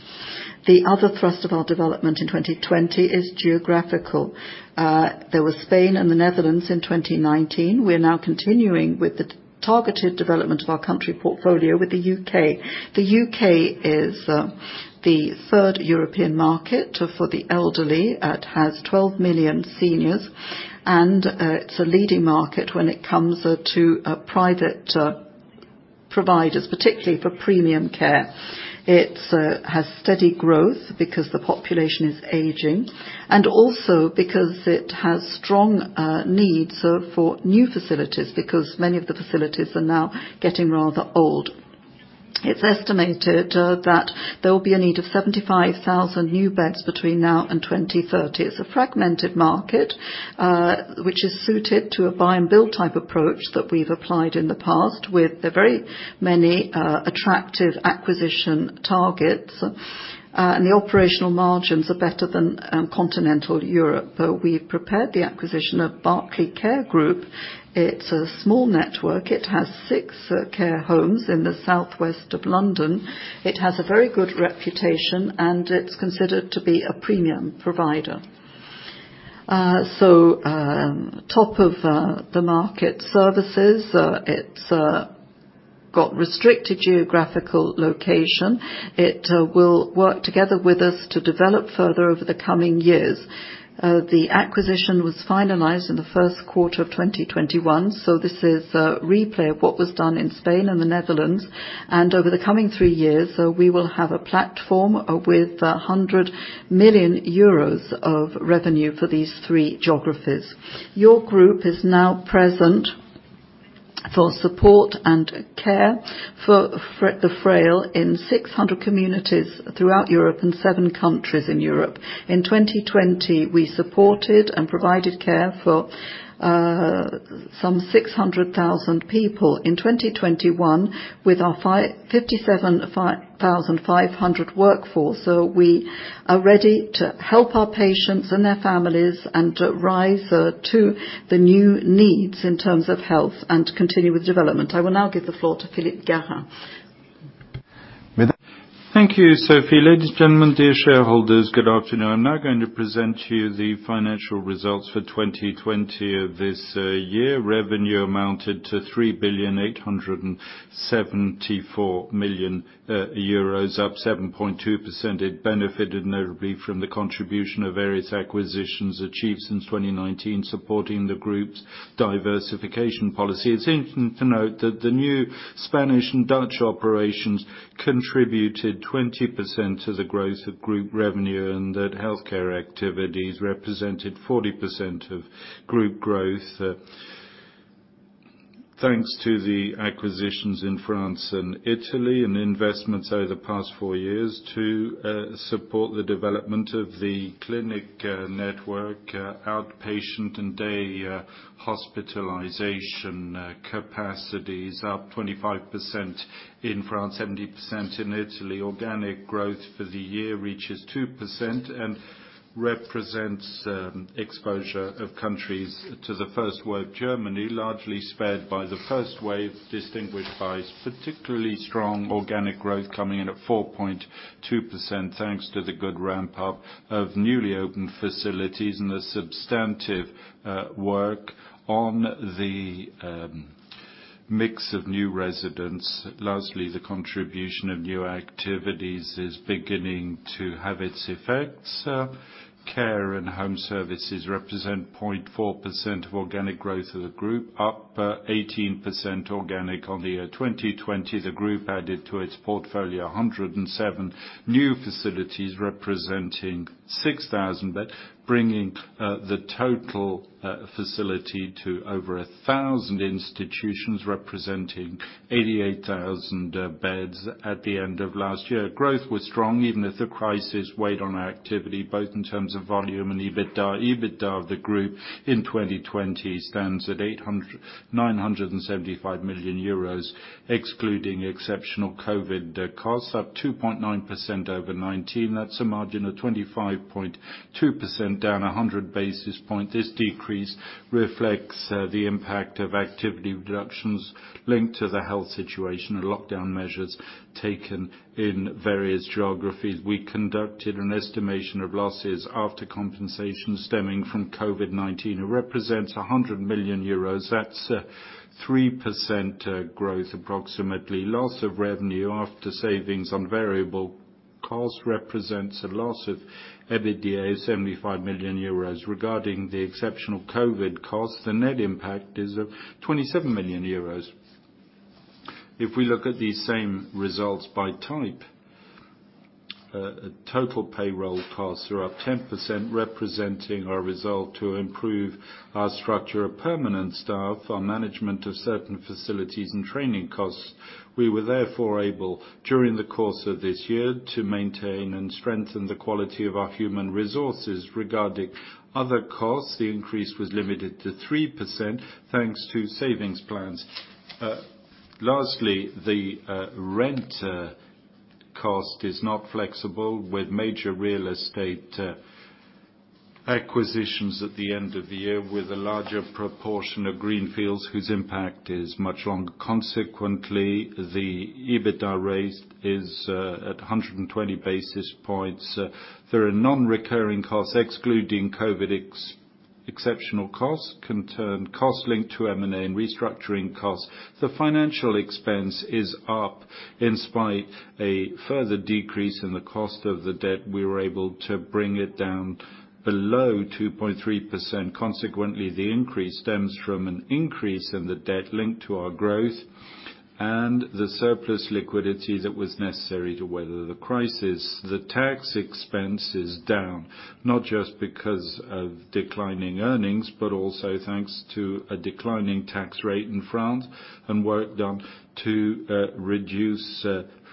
The other thrust of our development in 2020 is geographical. There was Spain and the Netherlands in 2019. We're now continuing with the targeted development of our country portfolio with the U.K. The U.K. is the third European market for the elderly. It has 12 million seniors. It's a leading market when it comes to private providers, particularly for premium care. It has steady growth because the population is aging, also because it has strong needs for new facilities, because many of the facilities are now getting rather old. It's estimated that there will be a need of 75,000 new beds between now and 2030. It's a fragmented market, which is suited to a buy and build type approach that we've applied in the past with the very many attractive acquisition targets. The operational margins are better than continental Europe. We've prepared the acquisition of Berkley Care Group. It's a small network. It has six care homes in the southwest of London. It has a very good reputation. It's considered to be a premium provider. Top of the market services. It's got restricted geographical location. It will work together with us to develop further over the coming years. The acquisition was finalized in the first quarter of 2021. This is a replay of what was done in Spain and the Netherlands. Over the coming three years, we will have a platform with 100 million euros of revenue for these three geographies. Your group is now present for support and care for the frail in 600 communities throughout Europe and seven countries in Europe. In 2020, we supported and provided care for some 600,000 people. In 2021, with our 57,500 workforce, we are ready to help our patients and their families and rise to the new needs in terms of health and continue with development. I will now give the floor to Philippe Carrer. Thank you, Sophie. Ladies, gentlemen, dear shareholders, good afternoon. I'm now going to present to you the financial results for 2020. This year, revenue amounted to 3 billion 874 million, up 7.2%. It benefited notably from the contribution of various acquisitions achieved since 2019, supporting the group's diversification policy. It's interesting to note that the new Spanish and Dutch operations contributed 20% to the growth of group revenue, and that healthcare activities represented 40% of group growth. Thanks to the acquisitions in France and Italy, and investments over the past four years to support the development of the clinic network, outpatient and day hospitalization capacities up 25% in France, 70% in Italy. Organic growth for the year reaches 2% and represents exposure of countries to the first wave. Germany largely spared by the first wave, distinguished by particularly strong organic growth coming in at 4.2%, thanks to the good ramp-up of newly opened facilities and the substantive work on the mix of new residents. Lastly, the contribution of new activities is beginning to have its effects. Care and home services represent 0.4% of organic growth as a group, up 18% organic on the year 2020. The group added to its portfolio 107 new facilities representing 6,000 beds, bringing the total facility to over 1,000 institutions, representing 88,000 beds at the end of last year. Growth was strong even if the crisis weighed on our activity, both in terms of volume and EBITDA. EBITDA of the group in 2020 stands at 975 million euros, excluding exceptional COVID costs, up 2.9% over 2019. That's a margin of 25.2% down 100 basis point. This decrease reflects the impact of activity reductions linked to the health situation and lockdown measures taken in various geographies. We conducted an estimation of losses after compensation stemming from COVID-19. It represents 100 million euros. That's 3% growth, approximately. Loss of revenue after savings on variable cost represents a loss of EBITDA of 75 million euros. Regarding the exceptional COVID costs, the net impact is of 27 million euros. If we look at these same results by type, total payroll costs are up 10%, representing our resolve to improve our structure of permanent staff, our management of certain facilities, and training costs. We were therefore able, during the course of this year, to maintain and strengthen the quality of our human resources. Regarding other costs, the increase was limited to 3% thanks to savings plans. Lastly, the rent cost is not flexible with major real estate acquisitions at the end of the year, with a larger proportion of greenfields, whose impact is much longer. Consequently, the EBITDA raise is at 120 basis points. There are non-recurring costs, excluding COVID exceptional costs, concerned costs linked to M&A and restructuring costs. The financial expense is up. In spite a further decrease in the cost of the debt, we were able to bring it down below 2.3%. Consequently, the increase stems from an increase in the debt linked to our growth and the surplus liquidity that was necessary to weather the crisis. The tax expense is down, not just because of declining earnings, but also thanks to a declining tax rate in France and work done to reduce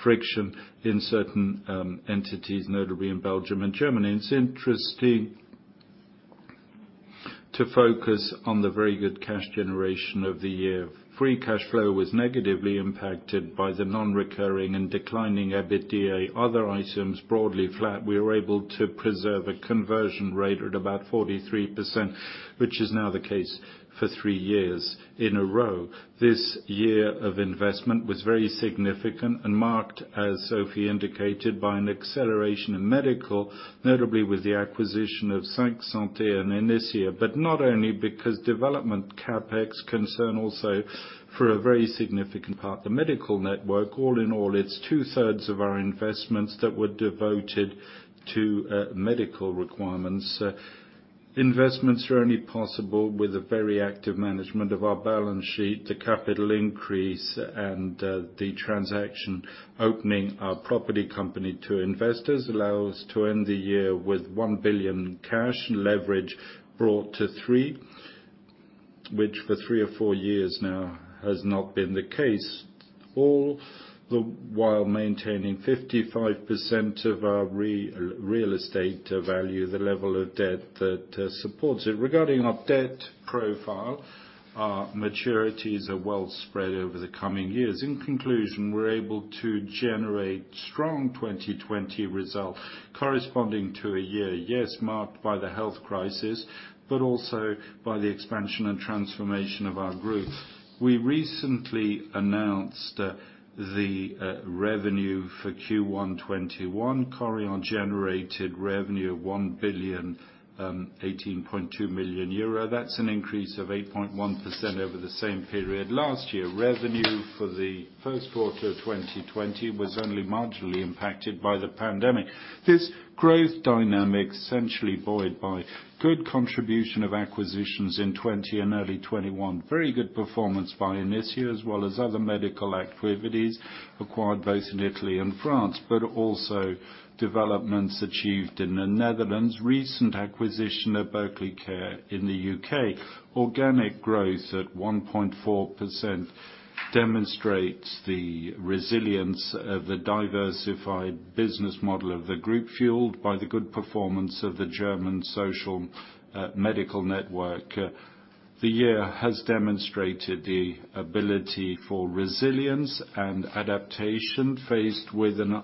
friction in certain entities, notably in Belgium and Germany. It's interesting to focus on the very good cash generation of the year. Free cash flow was negatively impacted by the non-recurring and declining EBITDA. Other items, broadly flat. We were able to preserve a conversion rate at about 43%, which is now the case for three years in a row. This year of investment was very significant and marked, as Sophie indicated, by an acceleration in medical, notably with the acquisition of 5 Santé and Inicea, but not only because development CapEx concern also for a very significant part, the medical network. All in all, it's two-thirds of our investments that were devoted to medical requirements. Investments are only possible with a very active management of our balance sheet. The capital increase and the transaction opening our property company to investors allow us to end the year with 1 billion cash and leverage brought to three, which for three or four years now has not been the case, all the while maintaining 55% of our real estate value, the level of debt that supports it. Regarding our debt profile, our maturities are well spread over the coming years. In conclusion, we're able to generate strong 2020 results corresponding to a year, yes, marked by the health crisis, but also by the expansion and transformation of our group. We recently announced the revenue for Q1 2021. Korian generated revenue of 1,018.2 million euro. That's an increase of 8.1% over the same period last year. Revenue for the first quarter of 2020 was only marginally impacted by the pandemic. This growth dynamic, essentially buoyed by good contribution of acquisitions in 2020 and early 2021. Very good performance by Inicea, as well as other medical activities acquired both in Italy and France, but also developments achieved in the Netherlands. Recent acquisition of Berkley Care in the U.K. Organic growth at 1.4% demonstrates the resilience of the diversified business model of the group, fueled by the good performance of the German social medical network. The year has demonstrated the ability for resilience and adaptation faced with an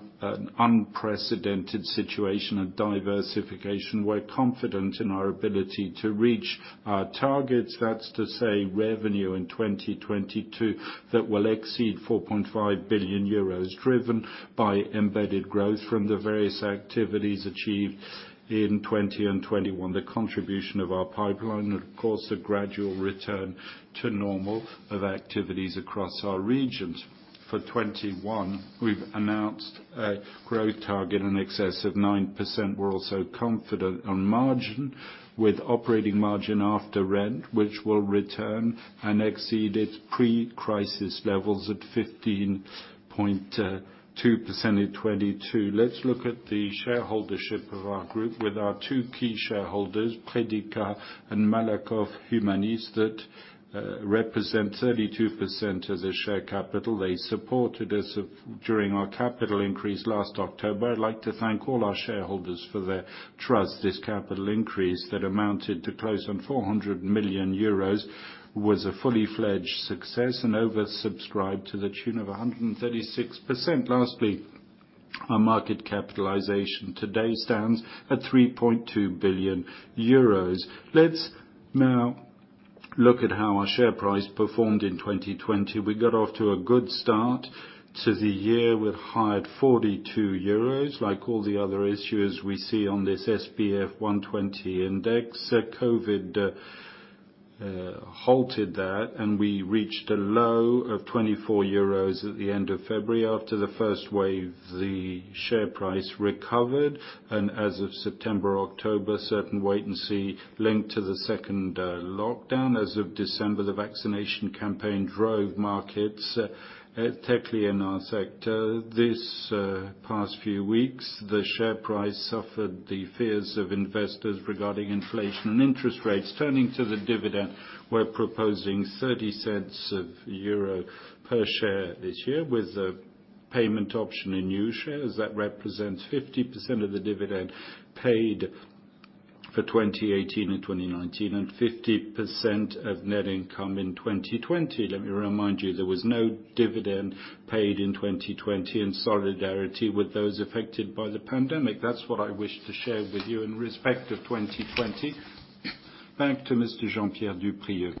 unprecedented situation and diversification. We're confident in our ability to reach our targets. That's to say, revenue in 2022 that will exceed 4.5 billion euros, driven by embedded growth from the various activities achieved in 2020 and 2021, the contribution of our pipeline, and of course, the gradual return to normal of activities across our regions. For 2021, we've announced a growth target in excess of 9%. We're also confident on margin, with operating margin after rent, which will return and exceed its pre-crisis levels at 15.2% in 2022. Let's look at the shareholdership of our group with our two key shareholders, Predica and Malakoff Humanis, that represent 32% of the share capital. They supported us during our capital increase last October. I'd like to thank all our shareholders for their trust. This capital increase that amounted to close to 400 million euros was a fully fledged success and oversubscribed to the tune of 136%. Our market capitalization today stands at 3.2 billion euros. Let's now look at how our share price performed in 2020. We got off to a good start to the year. We've hired 42 euros, like all the other issues we see on this SBF 120 index. COVID halted that, and we reached a low of 24 euros at the end of February. After the first wave, the share price recovered, as of September, October, certain wait-and-see linked to the second lockdown. As of December, the vaccination campaign drove markets technically in our sector. These past few weeks, the share price suffered the fears of investors regarding inflation and interest rates. Turning to the dividend, we're proposing 0.30 per share this year with a payment option in new shares. That represents 50% of the dividend paid for 2018 and 2019 and 50% of net income in 2020. Let me remind you, there was no dividend paid in 2020 in solidarity with those affected by the pandemic. That's what I wish to share with you in respect of 2020. Thank to Mr. Jean-Pierre Duprieu.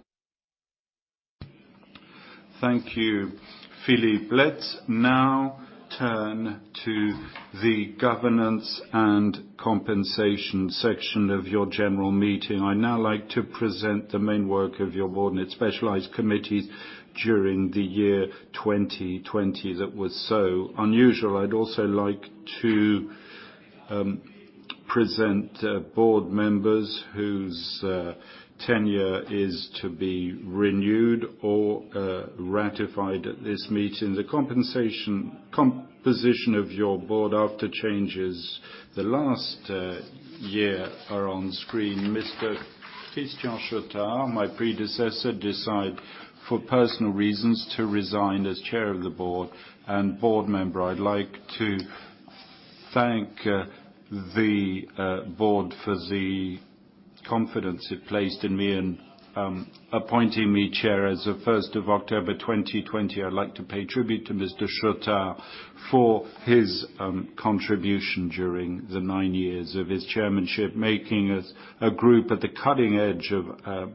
Thank you, Philippe. Let's now turn to the governance and compensation section of your general meeting. I'd now like to present the main work of your board and its specialized committees during the year 2020 that was so unusual. I'd also like to present board members whose tenure is to be renewed or ratified at this meeting. The composition of your board after changes the last year are on screen. Mr. Christian Chautard, my predecessor, decided for personal reasons to resign as chair of the board and board member. I'd like to thank the board for the confidence it placed in me in appointing me chair as of 1st of October 2020. I'd like to pay tribute to Mr. Chautard for his contribution during the nine years of his chairmanship, making us a group at the cutting edge of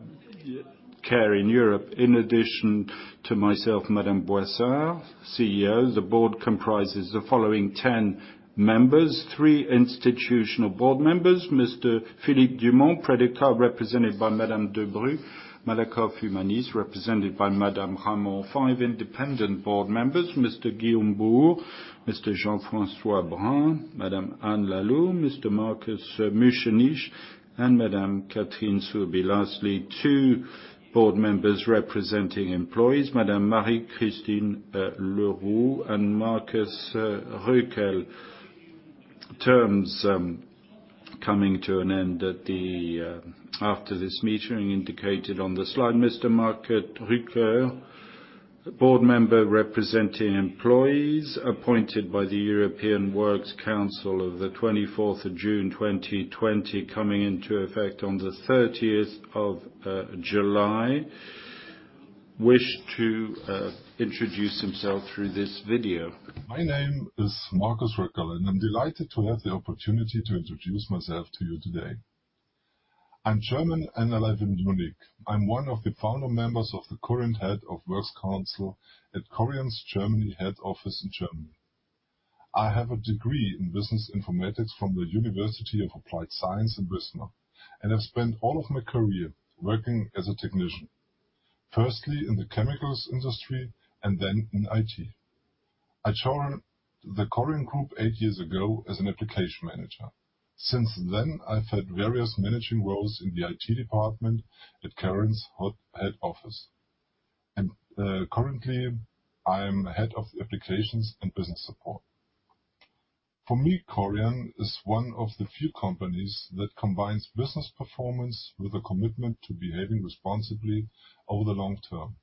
care in Europe. In addition to myself, Sophie Boissard, CEO, the board comprises the following 10 members: three institutional board members, Mr. Philippe Dumont, Predica, represented by Madame Françoise Debrus, Malakoff Humanis, represented by Madame Anne Ramon. Five independent board members, Mr. Guillaume Bouhours, Mr. Jean-François Brin, Madame Anne Lalou, Mr. Markus Müschenich, and Madame Catherine Soubie. Lastly, two board members representing employees, Madame Marie-Christine Leroux and Markus Rückerl. Terms coming to an end after this meeting indicated on the slide. Mr. Markus Rückerl, board member representing employees, appointed by the European Works Council of the 24th of June 2020, coming into effect on the 30th of July, wished to introduce himself through this video. My name is Markus Rückerl, and I'm delighted to have the opportunity to introduce myself to you today. I'm German, and I live in Munich. I'm one of the founder members of the current Head of Works Council at Korian's Germany head office in Germany. I have a degree in business informatics from the University of Applied Sciences in Wismar, and I've spent all of my career working as a technician. Firstly in the chemicals industry and then in IT. I joined the Korian Group eight years ago as an application manager. Since then, I've had various managing roles in the IT department at Korian's head office. Currently, I am head of applications and business support. For me, Korian is one of the few companies that combines business performance with a commitment to behaving responsibly over the long term.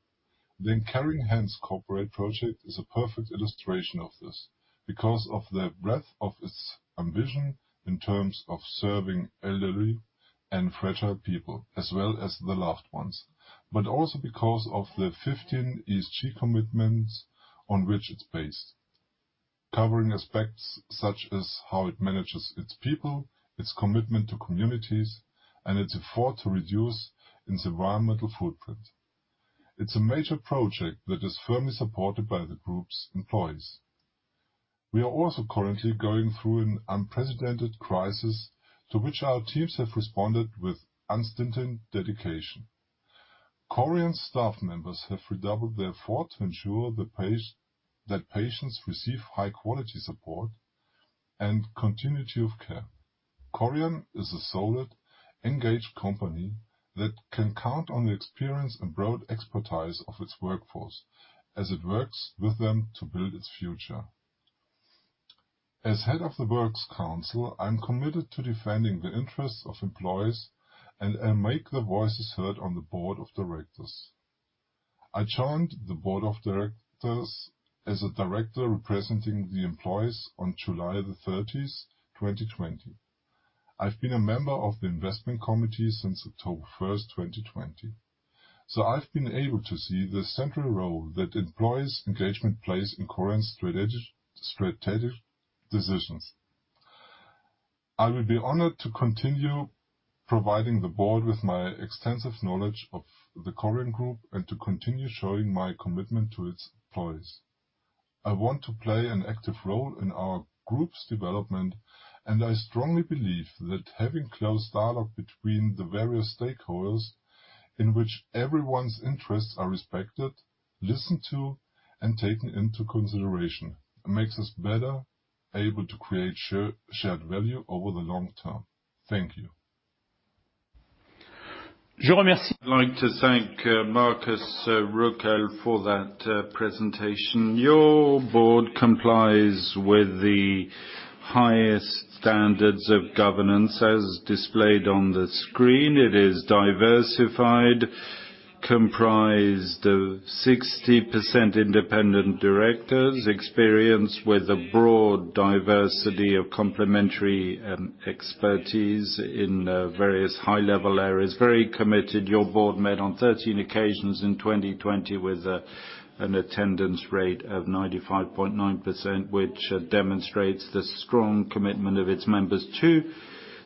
The Caring Hands corporate project is a perfect illustration of this because of the breadth of its ambition in terms of serving elderly and fragile people, as well as their loved ones, but also because of the 15 ESG commitments on which it's based, covering aspects such as how it manages its people, its commitment to communities, and its effort to reduce its environmental footprint. It's a major project that is firmly supported by the group's employees. We are also currently going through an unprecedented crisis to which our teams have responded with unstinting dedication. Korian staff members have redoubled their effort to ensure that patients receive high-quality support and continuity of care. Korian is a solid, engaged company that can count on the experience and broad expertise of its workforce as it works with them to build its future. As head of the Works Council, I'm committed to defending the interests of employees and make their voices heard on the board of directors. I joined the board of directors as a director representing the employees on July the 30th, 2020. I've been a member of the investment committee since October 1st, 2020. I've been able to see the central role that employees' engagement plays in Korian's strategic decisions. I will be honored to continue providing the board with my extensive knowledge of the Korian Group and to continue showing my commitment to its employees. I want to play an active role in our group's development, and I strongly believe that having close dialogue between the various stakeholders, in which everyone's interests are respected, listened to, and taken into consideration, makes us better able to create shared value over the long term. Thank you. I'd like to thank Markus Rückerl for that presentation. Your board complies with the highest standards of governance as displayed on the screen. It is diversified, comprised of 60% independent directors, experienced with a broad diversity of complementary expertise in various high-level areas. Very committed. Your board met on 13 occasions in 2020 with an attendance rate of 95.9%, which demonstrates the strong commitment of its members. Two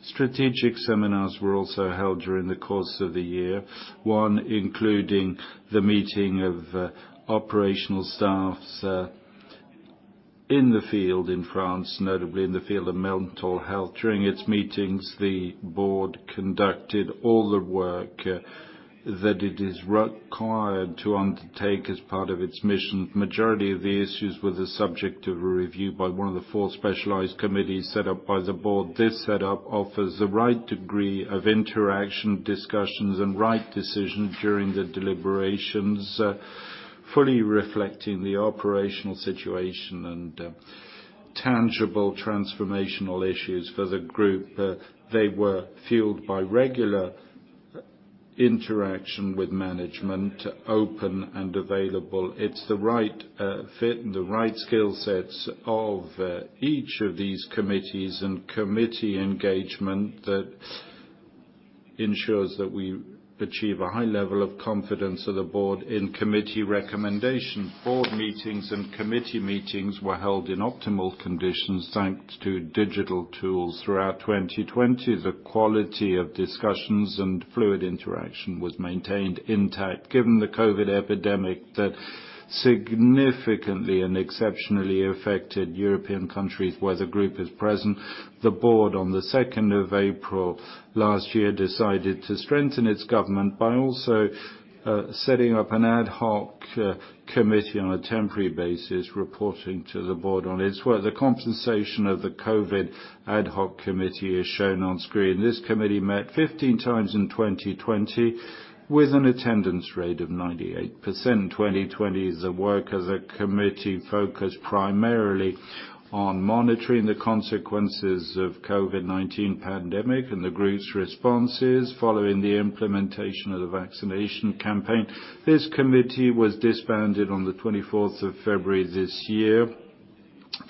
strategic seminars were also held during the course of the year. One, including the meeting of operational staffs in the field, in France, notably in the field of mental health. During its meetings, the board conducted all the work that it is required to undertake as part of its mission. Majority of the issues were the subject of a review by one of the four specialized committees set up by the board. This setup offers the right degree of interaction, discussions, and right decisions during the deliberations, fully reflecting the operational situation and tangible transformational issues for the group. They were fueled by regular interaction with management, open and available. It's the right fit and the right skill sets of each of these committees and committee engagement that ensures that we achieve a high level of confidence of the board in committee recommendation. Board meetings and committee meetings were held in optimal conditions, thanks to digital tools. Throughout 2020, the quality of discussions and fluid interaction was maintained intact. Given the COVID-19 epidemic that significantly and exceptionally affected European countries where the group is present, the board on the 2nd of April last year decided to strengthen its governance by also setting up an ad hoc committee on a temporary basis, reporting to the board on its work. The composition of the COVID ad hoc committee is shown on screen. This committee met 15 times in 2020 with an attendance rate of 98%. In 2020, the work as a committee focused primarily on monitoring the consequences of COVID-19 pandemic and the group's responses following the implementation of the vaccination campaign. This committee was disbanded on the 24th of February this year,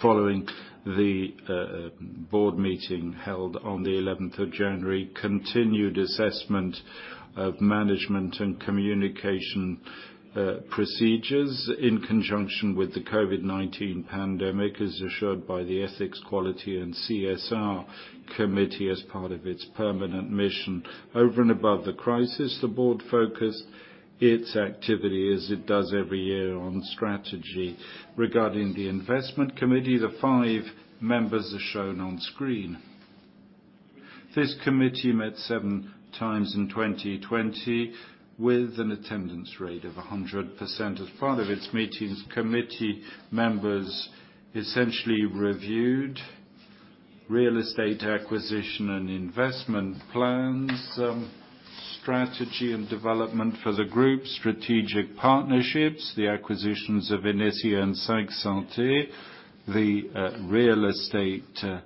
following the board meeting held on the 11th of January. Continued assessment of management and communication procedures in conjunction with the COVID-19 pandemic is assured by the ethics, quality, and CSR committee as part of its permanent mission. Over and above the crisis, the board focused its activity, as it does every year, on strategy. Regarding the investment committee, the five members are shown on screen. This committee met seven times in 2020 with an attendance rate of 100%. As part of its meetings, committee members essentially reviewed real estate acquisition and investment plans, strategy and development for the group, strategic partnerships, the acquisitions of Inicea and 5 Santé, the real estate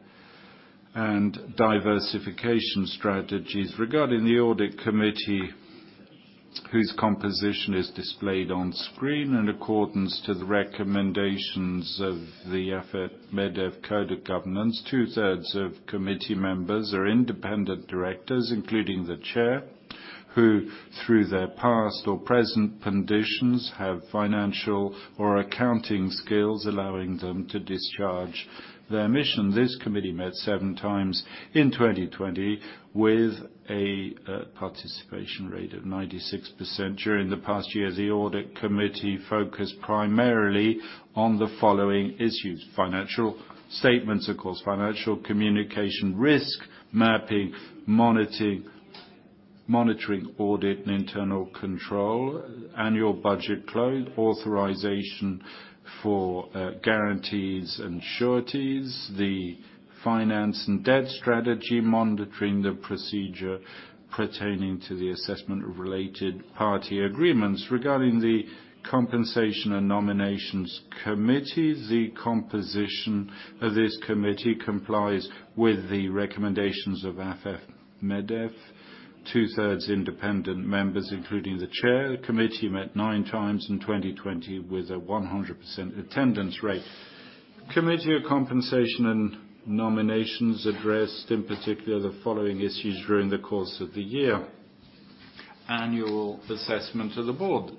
and diversification strategies. Regarding the audit committee, whose composition is displayed on screen, in accordance to the recommendations of the AFEP-MEDEF Code of Governance, 2/3 of committee members are independent directors, including the chair, who through their past or present conditions, have financial or accounting skills allowing them to discharge their mission. This committee met seven times in 2020 with a participation rate of 96%. During the past year, the audit committee focused primarily on the following issues. Financial statements, of course, financial communication risk mapping, monitoring audit and internal control, annual budget close, authorization for guarantees and sureties, the finance and debt strategy, monitoring the procedure pertaining to the assessment of related party agreements. Regarding the compensation and nominations committee, the composition of this committee complies with the recommendations of AFEP-MEDEF, 2/3 independent members, including the chair. The committee met nine times in 2020 with a 100% attendance rate. Committee of compensation and nominations addressed, in particular, the following issues during the course of the year. Annual assessment of the board.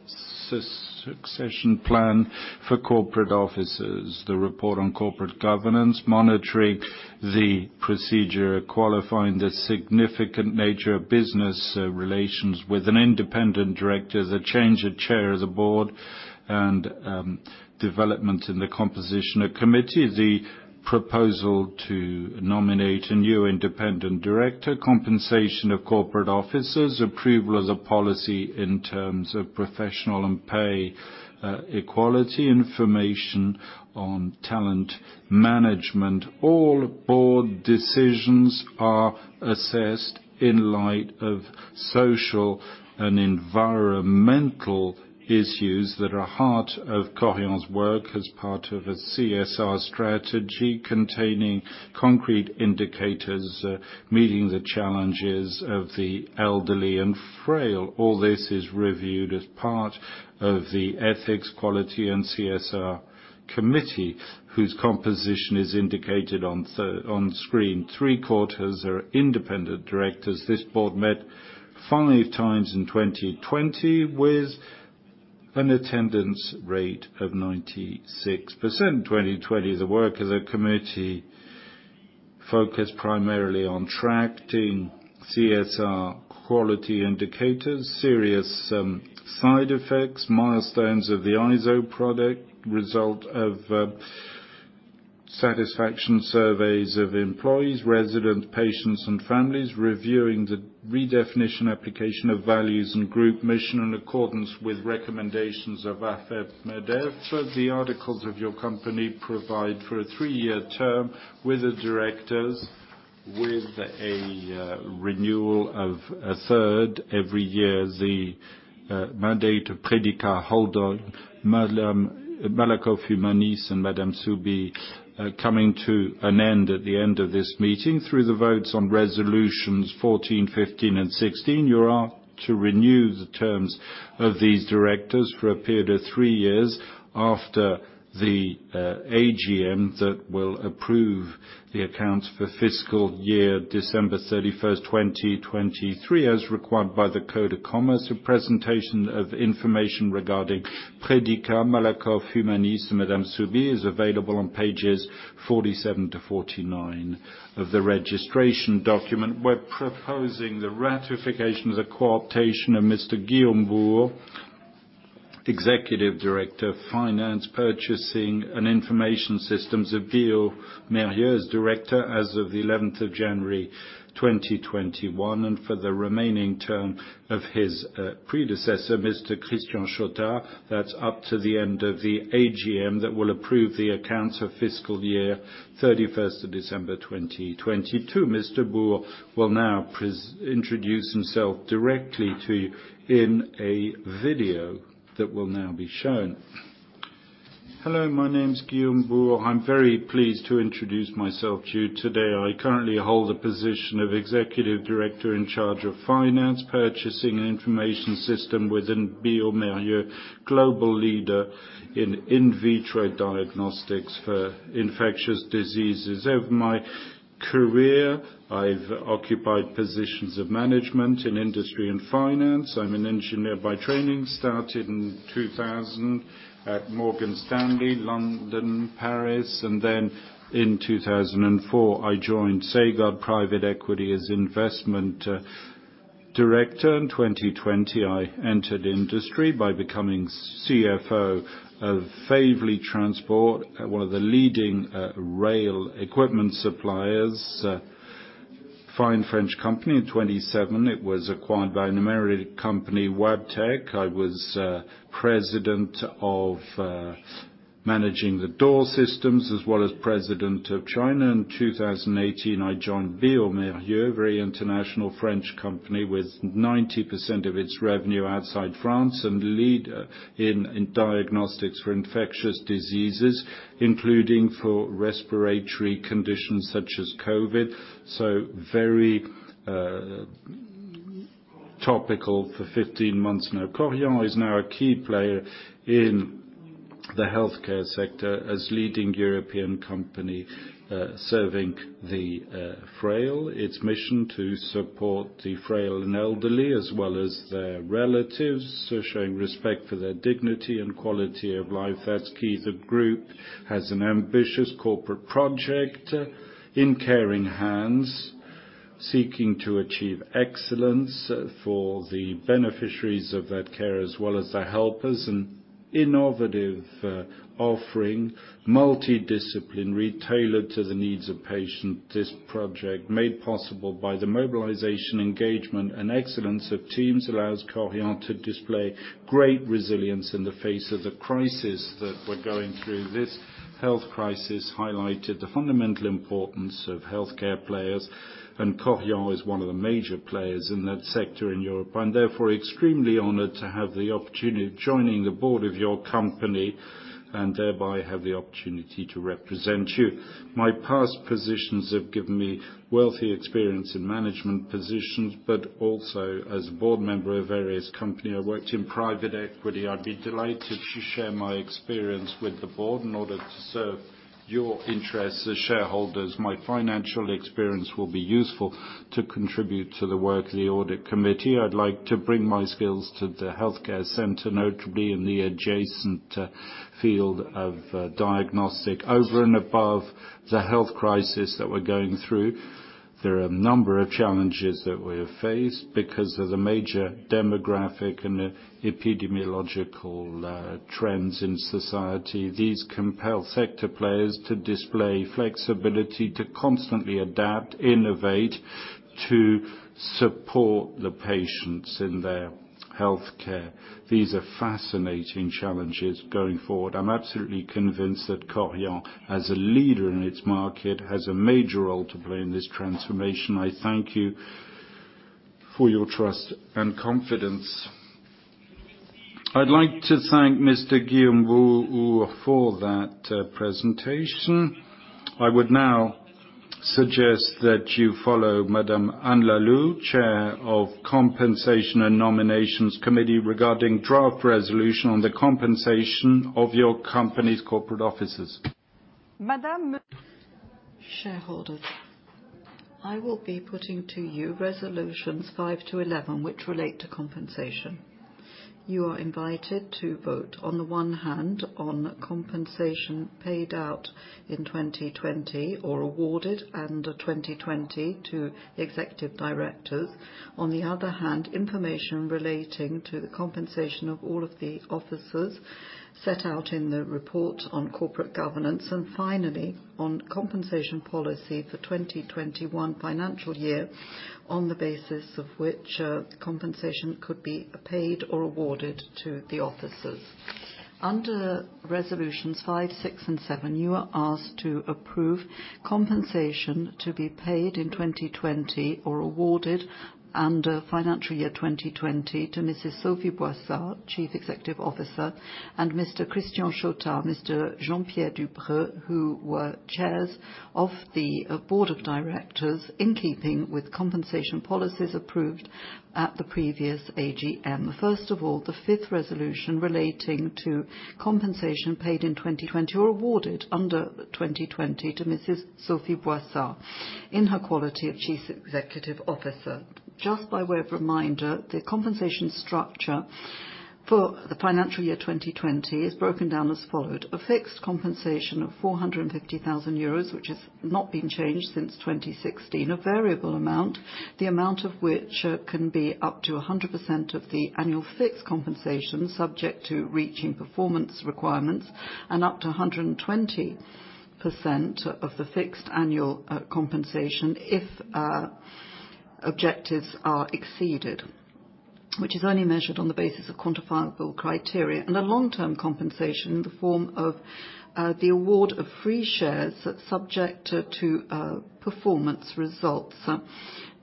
Succession plan for corporate officers. The report on corporate governance. Monitoring the procedure qualifying the significant nature of business relations with an independent director. The change of chair of the board and development in the composition of committee. The proposal to nominate a new independent director. Compensation of corporate officers. Approval of policy in terms of professional and pay equality. Information on talent management. All board decisions are assessed in light of social and environmental issues that are heart of Clariane's work as part of a CSR strategy, containing concrete indicators, meeting the challenges of the elderly and frail. All this is reviewed as part of the ethics, quality, and CSR committee, whose composition is indicated on screen. Three quarters are independent directors. This board met five times in 2020, with an attendance rate of 96%. 2020, the work of the committee focused primarily on tracking CSR quality indicators, serious side effects, milestones of the ISO product, result of satisfaction surveys of employees, residents, patients, and families, reviewing the redefinition application of values and group mission in accordance with recommendations of AFEP-MEDEF. The articles of your company provide for a three-year term with the directors, with a renewal of a third every year. The mandate of Predica, Holdol, Malakoff Humanis, and Catherine Soubie coming to an end at the end of this meeting. Through the votes on resolutions 14, 15, and 16, you are to renew the terms of these directors for a period of three years after the AGM that will approve the accounts for fiscal year December 31st, 2023, as required by the Code de commerce. A presentation of information regarding Predica, Malakoff Humanis, and Catherine Soubie is available on pages 47 to 49 of the registration document. We're proposing the ratification of the co-optation of Mr. Guillaume Bouhours, Executive Director of Finance, Purchasing, and Information Systems of bioMérieux, as director as of the 11th of January, 2021, and for the remaining term of his predecessor, Mr. Christian Chautard. That's up to the end of the AGM that will approve the accounts of fiscal year 31st of December, 2022. Mr. Bouhours will now introduce himself directly to you in a video that will now be shown. Hello, my name's Guillaume Bouhours. I'm very pleased to introduce myself to you today. I currently hold the position of Executive Director in charge of finance, purchasing, and information system within bioMérieux, global leader in in vitro diagnostics for infectious diseases. Over my career, I've occupied positions of management in industry and finance. I'm an engineer by training, started in 2000 at Morgan Stanley, London, Paris, and then in 2004, I joined Sagard Private Equity as Investment Director. In 2020, I entered industry by becoming CFO of Faiveley Transport, one of the leading rail equipment suppliers. Fine French company. In 2007, it was acquired by an American company, Wabtec. I was President of managing the door systems as well as President of China. In 2018, I joined bioMérieux, very international French company with 90% of its revenue outside France and leader in diagnostics for infectious diseases, including for respiratory conditions such as COVID. Very topical for 15 months now. Clariane is now a key player in the healthcare sector as leading European company, serving the frail. Its mission to support the frail and elderly as well as their relatives, so showing respect for their dignity and quality of life. That's key. The group has an ambitious corporate project, In Caring Hands, seeking to achieve excellence for the beneficiaries of that care as well as their helpers. An innovative offering, multidisciplinary, tailored to the needs of patient. This project made possible by the mobilization, engagement, and excellence of teams allows Clariane to display great resilience in the face of the crisis that we're going through. This health crisis highlighted the fundamental importance of healthcare players, and Korian is one of the major players in that sector in Europe, and therefore extremely honored to have the opportunity of joining the board of your company and thereby have the opportunity to represent you. My past positions have given me wealthy experience in management positions, but also as a board member of various company. I worked in private equity. I'd be delighted to share my experience with the board in order to serve your interests as shareholders. My financial experience will be useful to contribute to the work of the audit committee. I'd like to bring my skills to the healthcare center, notably in the adjacent field of diagnostic. Over and above the health crisis that we are going through, there are a number of challenges that we have faced because of the major demographic and epidemiological trends in society. These compel sector players to display flexibility, to constantly adapt, innovate. To support the patients in their healthcare. These are fascinating challenges going forward. I am absolutely convinced that Clariane, as a leader in its market, has a major role to play in this transformation. I thank you for your trust and confidence. I would like to thank Mr. Guillaume Bouhours for that presentation. I would now suggest that you follow Madame Anne Lalou, Chair of Compensation and Nominations Committee, regarding draft resolution on the compensation of your company's corporate officers. Madam shareholders, I will be putting to you resolutions 5-11, which relate to compensation. You are invited to vote, on the one hand, on compensation paid out in 2020 or awarded under 2020 to executive directors. On the other hand, information relating to the compensation of all of the officers set out in the report on corporate governance, and finally, on compensation policy for 2021 financial year, on the basis of which compensation could be paid or awarded to the officers. Under resolutions five, six, and seven, you are asked to approve compensation to be paid in 2020 or awarded under financial year 2020 to Mrs. Sophie Boissard, Chief Executive Officer, and Mr. Christian Chautard, Mr. Jean-Pierre Duprieu, who were Chairs of the Board of Directors in keeping with compensation policies approved at the previous AGM. The fifth resolution relating to compensation paid in 2020 or awarded under 2020 to Mrs. Sophie Boissard in her quality of Chief Executive Officer. Just by way of reminder, the compensation structure for the financial year 2020 is broken down as follows. A fixed compensation of 450,000 euros, which has not been changed since 2016. A variable amount, the amount of which can be up to 100% of the annual fixed compensation, subject to reaching performance requirements, and up to 120% of the fixed annual compensation if objectives are exceeded, which is only measured on the basis of quantifiable criteria, and a long-term compensation in the form of the award of free shares subject to performance results.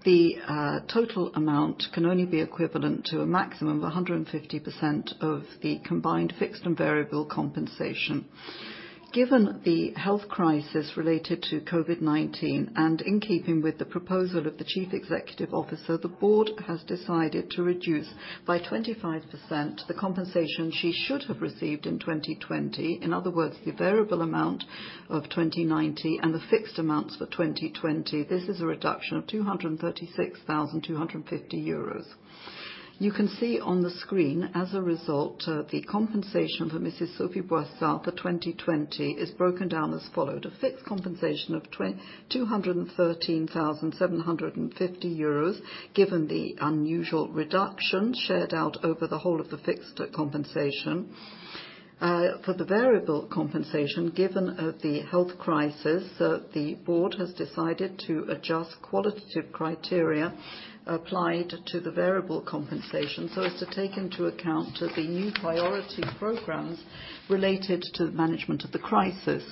The total amount can only be equivalent to a maximum of 150% of the combined fixed and variable compensation. Given the health crisis related to COVID-19 and in keeping with the proposal of the Chief Executive Officer, the board has decided to reduce by 25% the compensation she should have received in 2020. In other words, the variable amount of 2019 and the fixed amounts for 2020. This is a reduction of 236,250 euros. You can see on the screen as a result, the compensation for Mrs. Sophie Boissard for 2020 is broken down as follows. A fixed compensation of 213,750 euros, given the unusual reduction shared out over the whole of the fixed compensation. For the variable compensation, given the health crisis, the board has decided to adjust qualitative criteria applied to the variable compensation so as to take into account the new priority programs related to management of the crisis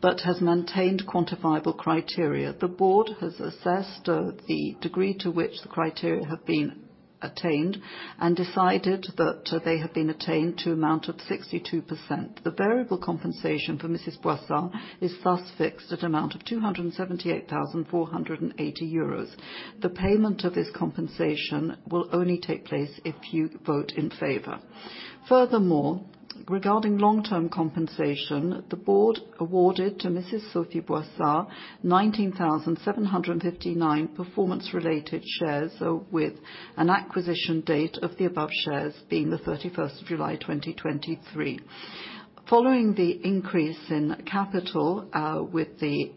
but has maintained quantifiable criteria. The board has assessed the degree to which the criteria have been attained and decided that they have been attained to amount of 62%. The variable compensation for Mrs. Boissard is thus fixed at amount of 278,480 euros. The payment of this compensation will only take place if you vote in favor. Furthermore, regarding long-term compensation, the board awarded to Mrs. Sophie Boissard 19,759 performance-related shares with an acquisition date of the above shares being the 31st of July 2023. Following the increase in capital with the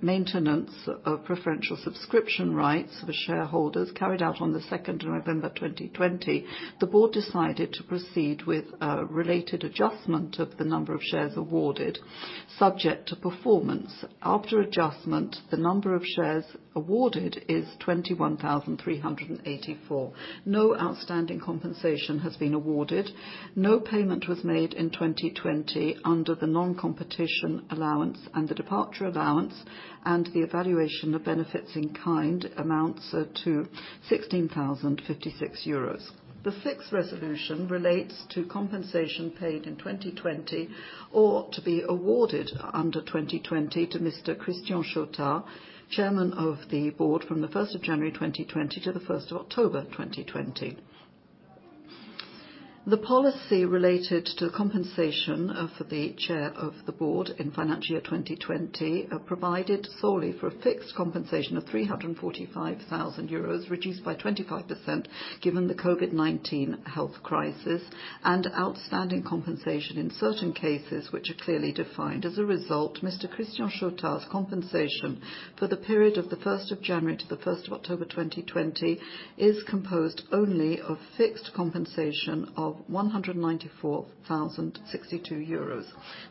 maintenance of preferential subscription rights for shareholders carried out on the 2nd of November 2020, the board decided to proceed with a related adjustment of the number of shares awarded subject to performance. After adjustment, the number of shares awarded is 21,384. No outstanding compensation has been awarded. No payment was made in 2020 under the non-competition allowance and the departure allowance, and the evaluation of benefits in kind amounts to 16,056 euros. The sixth resolution relates to compensation paid in 2020 or to be awarded under 2020 to Mr. Christian Chautard, Chairman of the Board from the 1st of January 2020 to the 1st October 2020. The policy related to compensation for the chair of the board in financial year 2020 provided solely for a fixed compensation of 345,000 euros, reduced by 25% given the COVID-19 health crisis and outstanding compensation in certain cases which are clearly defined. As a result, Mr. Christian Chautard's compensation for the period of the 1st of January to the 1st of October 2020 is composed only of fixed compensation of EUR 194,062.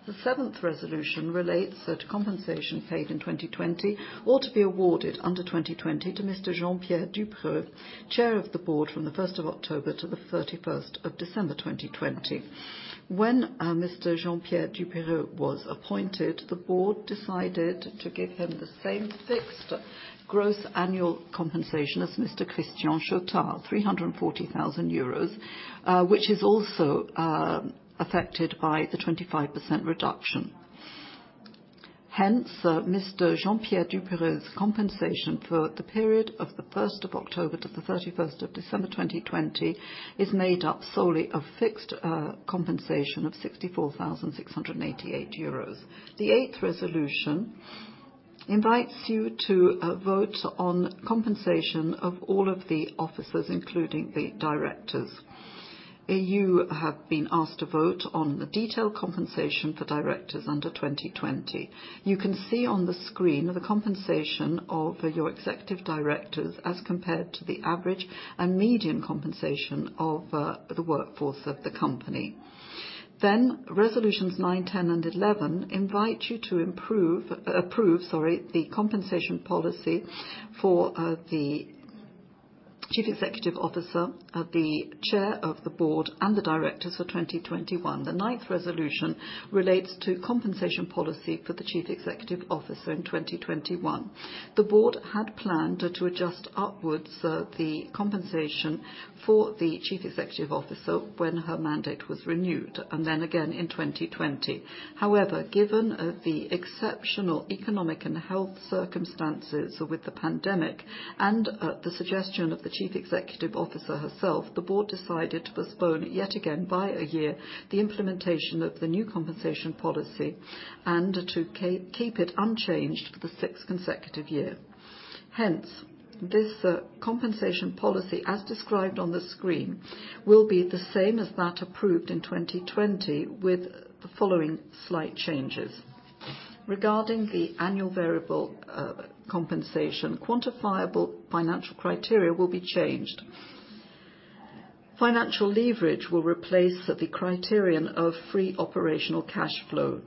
The seventh resolution relates to compensation paid in 2020 or to be awarded under 2020 to Mr. Jean-Pierre Duprieu, Chair of the Board from the 1st of October to the 31st of December 2020. When Mr. Jean-Pierre Duprieu was appointed, the board decided to give him the same fixed gross annual compensation as Mr. Christian Chautard, 340,000 euros, which is also affected by the 25% reduction. Hence, Mr. Jean-Pierre Duprieu's compensation for the period of the 1st of October to the 31st of December 2020 is made up solely of fixed compensation of 64,688 euros. The eighth resolution invites you to vote on compensation of all of the officers, including the directors. You have been asked to vote on the detailed compensation for directors under 2020. You can see on the screen the compensation of your executive directors as compared to the average and median compensation of the workforce of the company. Resolutions nine, 10, and 11 invite you to approve the compensation policy for the Chief Executive Officer, the Chair of the Board, and the directors for 2021. The ninth resolution relates to compensation policy for the Chief Executive Officer in 2021. The Board had planned to adjust upwards the compensation for the Chief Executive Officer when her mandate was renewed, and then again in 2020. However, given the exceptional economic and health circumstances with the pandemic and at the suggestion of the Chief Executive Officer herself, the Board decided to postpone yet again by a year the implementation of the new compensation policy and to keep it unchanged for the sixth consecutive year. This compensation policy, as described on the screen, will be the same as that approved in 2020 with the following slight changes. Regarding the annual variable compensation, quantifiable financial criteria will be changed. Financial leverage will replace the criterion of free operational cash flow.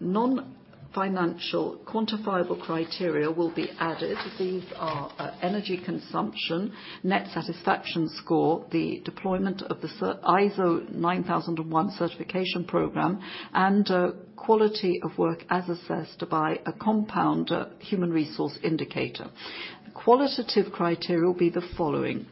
Non-financial quantifiable criteria will be added. These are energy consumption, net satisfaction score, the deployment of the ISO 9001 certification program, and quality of work as assessed by a compound human resource indicator. Qualitative criteria will be the following.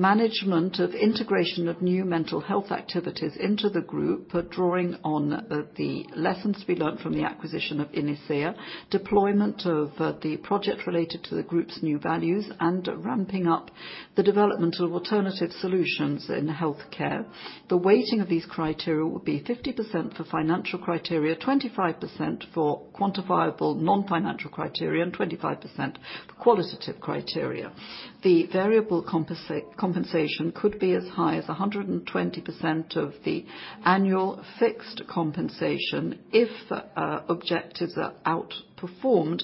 Management of integration of new mental health activities into the group, drawing on the lessons we learned from the acquisition of Inicea, deployment of the project related to the group's new values, and ramping up the development of alternative solutions in healthcare. The weighting of these criteria would be 50% for financial criteria, 25% for quantifiable non-financial criteria, and 25% for qualitative criteria. The variable compensation could be as high as 120% of the annual fixed compensation if objectives are outperformed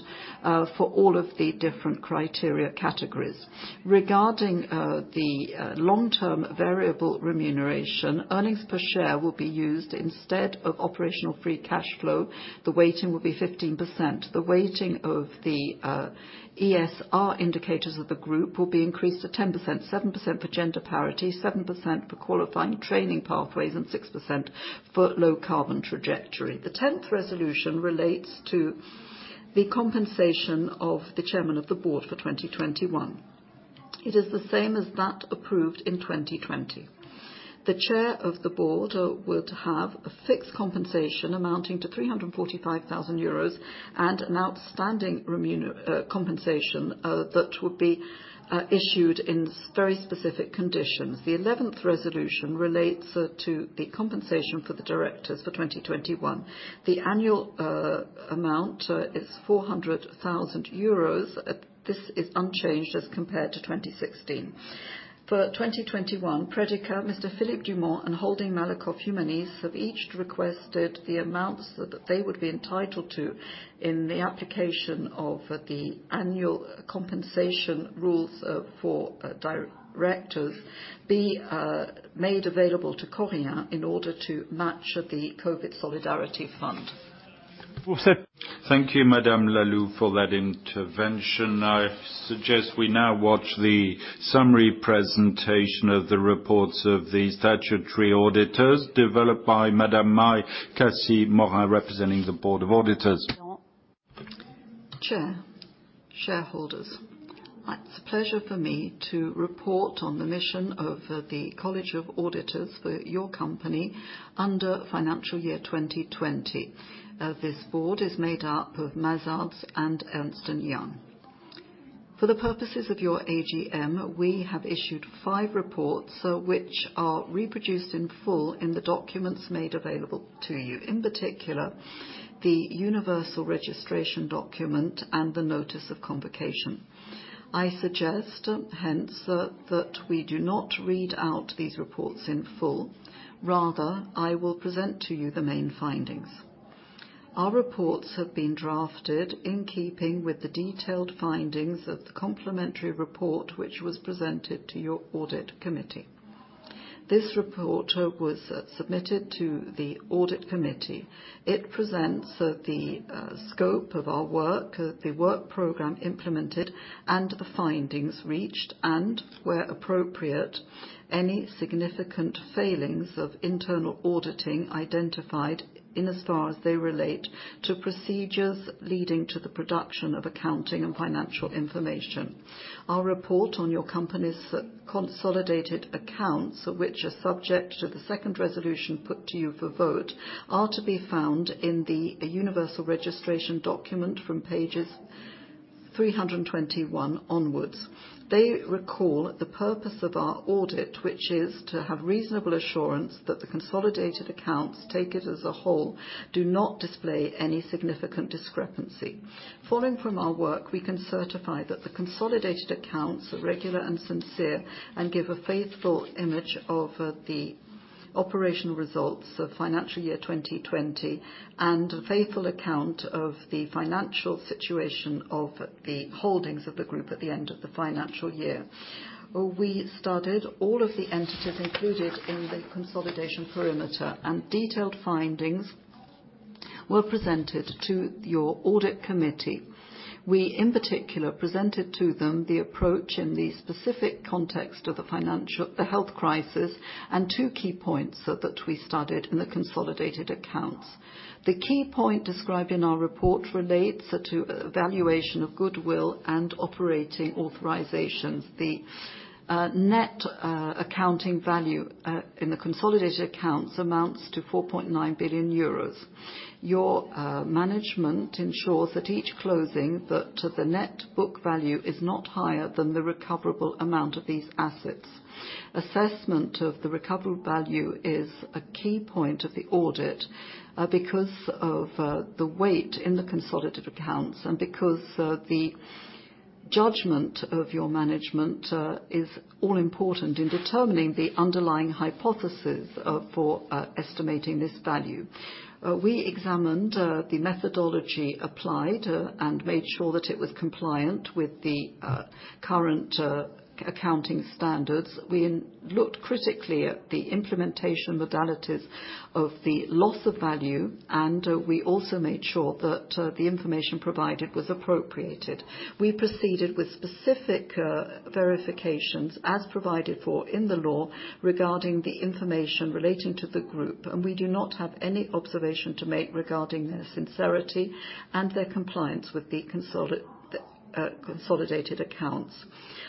for all of the different criteria categories. Regarding the long-term variable remuneration, earnings per share will be used instead of operational free cash flow. The weighting will be 15%. The weighting of the CSR indicators of the group will be increased to 10%, 7% for gender parity, 7% for qualifying training pathways, and 6% for low carbon trajectory. The 10th resolution relates to the compensation of the chairman of the board for 2021. It is the same as that approved in 2020. The chair of the board will have a fixed compensation amounting to €345,000 and an outstanding compensation that will be issued in very specific conditions. The 11th resolution relates to the compensation for the directors for 2021. The annual amount is €400,000. This is unchanged as compared to 2016. For 2021, Predica, Mr. Philippe Dumont, and Holding Malakoff Humanis have each requested the amounts that they would be entitled to in the application of the annual compensation rules for directors be made available to Covéa in order to match the COVID Solidarity Fund. Thank you, Madame Lalou, for that intervention. I suggest we now watch the summary presentation of the reports of the statutory auditors developed by Madame Marie-Cécile Moinier representing the Board of Auditors. Chair, shareholders, it is a pleasure for me to report on the mission of the College of Auditors for your company under financial year 2020. This board is made up of Mazars and Ernst & Young. For the purposes of your AGM, we have issued five reports which are reproduced in full in the documents made available to you, in particular, the universal registration document and the notice of convocation. I suggest, hence, that we do not read out these reports in full. Rather, I will present to you the main findings. Our reports have been drafted in keeping with the detailed findings of the complementary report which was presented to your Audit Committee. This report was submitted to the Audit Committee. It presents the scope of our work, the work program implemented, and the findings reached, and where appropriate, any significant failings of internal auditing identified in as far as they relate to procedures leading to the production of accounting and financial information. Our report on your company's consolidated accounts, which are subject to the second resolution put to you for vote, are to be found in the Universal Registration Document from pages 321 onwards. They recall the purpose of our audit, which is to have reasonable assurance that the consolidated accounts taken as a whole do not display any significant discrepancy. Following from our work, we can certify that the consolidated accounts are regular and sincere and give a faithful image of the operational results for financial year 2020 and a faithful account of the financial situation of the holdings of the group at the end of the financial year. We studied all of the entities included in the consolidation perimeter, and detailed findings were presented to your audit committee. We, in particular, presented to them the approach in the specific context of the health crisis and two key points that we studied in the consolidated accounts. The key point described in our report relates to valuation of goodwill and operating authorizations. The net accounting value in the consolidated accounts amounts to 4.9 billion euros. Your management ensures at each closing that the net book value is not higher than the recoverable amount of these assets. Assessment of the recoverable value is a key point of the audit because of the weight in the consolidated accounts and because the judgment of your management is all important in determining the underlying hypothesis for estimating this value. We examined the methodology applied and made sure that it was compliant with the current accounting standards. We looked critically at the implementation modalities of the loss of value. We also made sure that the information provided was appropriated. We proceeded with specific verifications as provided for in the law regarding the information relating to the group. We do not have any observation to make regarding their sincerity and their compliance with the consolidated accounts.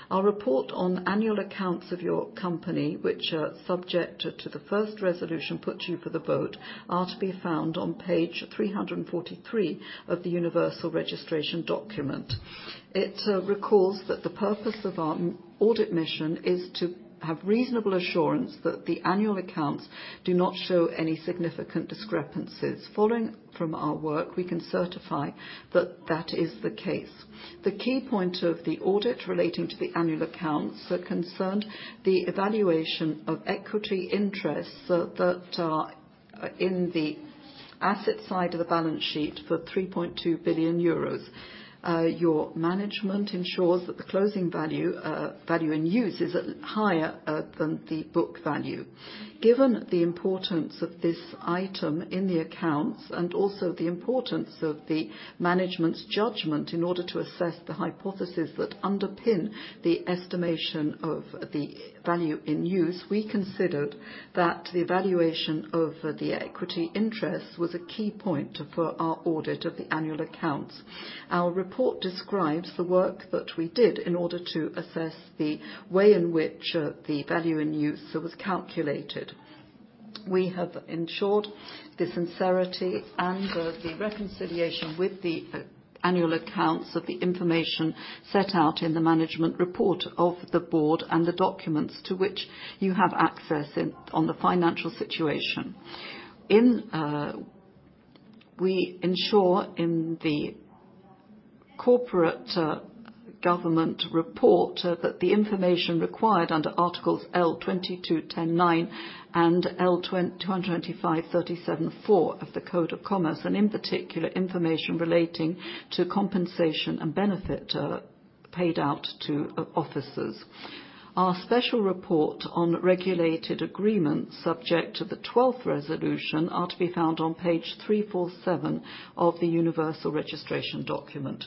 Our report on annual accounts of your company, which are subject to the first resolution put to you for the vote, are to be found on page 343 of the universal registration document. It recalls that the purpose of our audit mission is to have reasonable assurance that the annual accounts do not show any significant discrepancies. Following from our work, we can certify that that is the case. The key point of the audit relating to the annual accounts concerned the evaluation of equity interests that are in the asset side of the balance sheet for 3.2 billion euros. Your management ensures that the closing value in use is higher than the book value. Given the importance of this item in the accounts, and also the importance of the management's judgment in order to assess the hypothesis that underpin the estimation of the value in use, we considered that the valuation of the equity interest was a key point for our audit of the annual accounts. Our report describes the work that we did in order to assess the way in which the value in use was calculated. We have ensured the sincerity and the reconciliation with the annual accounts of the information set out in the management report of the board and the documents to which you have access on the financial situation. We ensure in the corporate governance report that the information required under articles L 22-10-9 and L 225-37-4 of the Code de commerce, and in particular, information relating to compensation and benefit paid out to officers. Our special report on regulated agreements subject to the 12th resolution are to be found on page 347 of the universal registration document.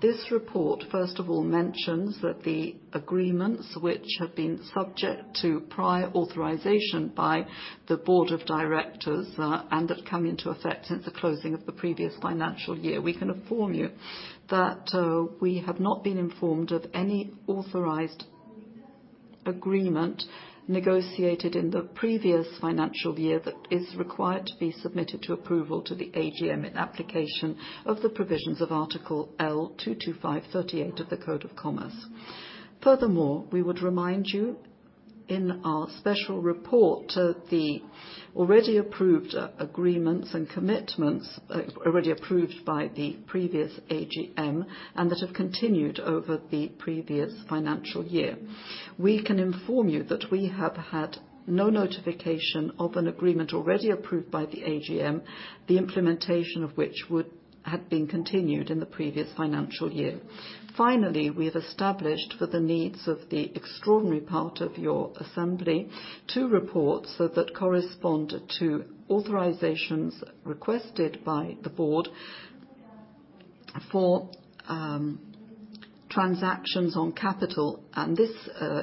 This report, first of all, mentions that the agreements which have been subject to prior authorization by the board of directors and that come into effect since the closing of the previous financial year. We can inform you that we have not been informed of any authorized agreement negotiated in the previous financial year that is required to be submitted to approval to the AGM in application of the provisions of Article L 225-38 of the Code de commerce. Furthermore, we would remind you in our special report the already approved agreements and commitments already approved by the previous AGM and that have continued over the previous financial year. We can inform you that we have had no notification of an agreement already approved by the AGM, the implementation of which would have been continued in the previous financial year. Finally, we have established for the needs of the extraordinary part of your assembly two reports that correspond to authorizations requested by the board for transactions on capital, and this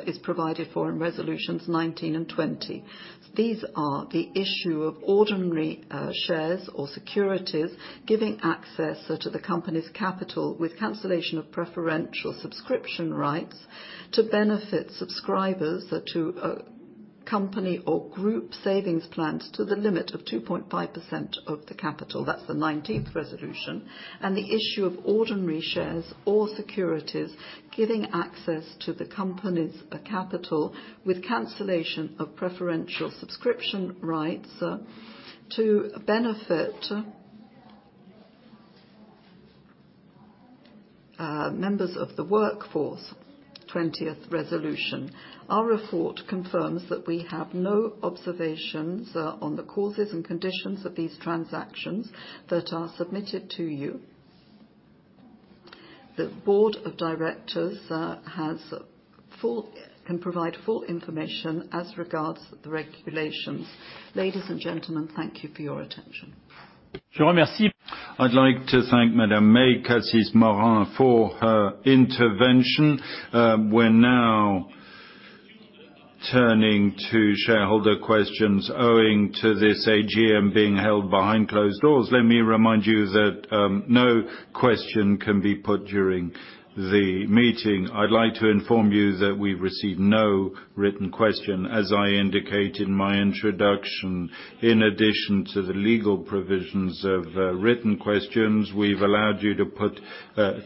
is provided for in resolutions 19 and 20. These are the issue of ordinary shares or securities giving access to the company's capital with cancellation of preferential subscription rights to benefit subscribers to a company or group savings plans to the limit of 2.5% of the capital. That's the 19th resolution, and the issue of ordinary shares or securities giving access to the company's capital with cancellation of preferential subscription rights to benefit members of the workforce, 20th resolution. Our report confirms that we have no observations on the causes and conditions of these transactions that are submitted to you. The board of directors can provide full information as regards the regulations. Ladies and gentlemen, thank you for your attention. I'd like to thank Madame Marie-Cécile Moinier for her intervention. We're now turning to shareholder questions. Owing to this AGM being held behind closed doors, let me remind you that no question can be put during the meeting. I'd like to inform you that we received no written question as I indicated in my introduction. In addition to the legal provisions of written questions, we've allowed you to put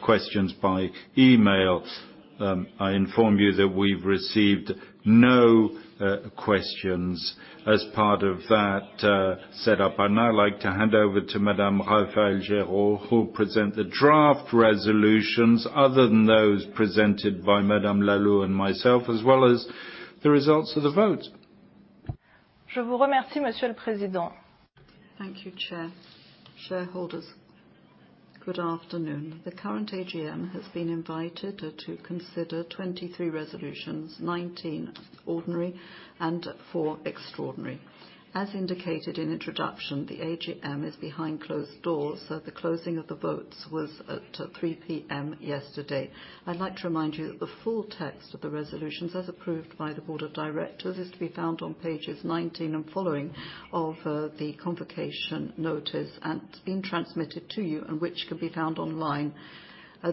questions by email. I inform you that we've received no questions as part of that setup. I'd now like to hand over to Madame Raphaëlle Girault, who will present the draft resolutions other than those presented by Madame Lalou and myself, as well as the results of the vote. Thank you, Chair. Shareholders, good afternoon. The current AGM has been invited to consider 23 resolutions, 19 ordinary and four extraordinary. As indicated in introduction, the AGM is behind closed doors. The closing of the votes was at 3:00 P.M. yesterday. I'd like to remind you that the full text of the resolutions as approved by the board of directors is to be found on pages 19 and following of the convocation notice and been transmitted to you and which can be found online.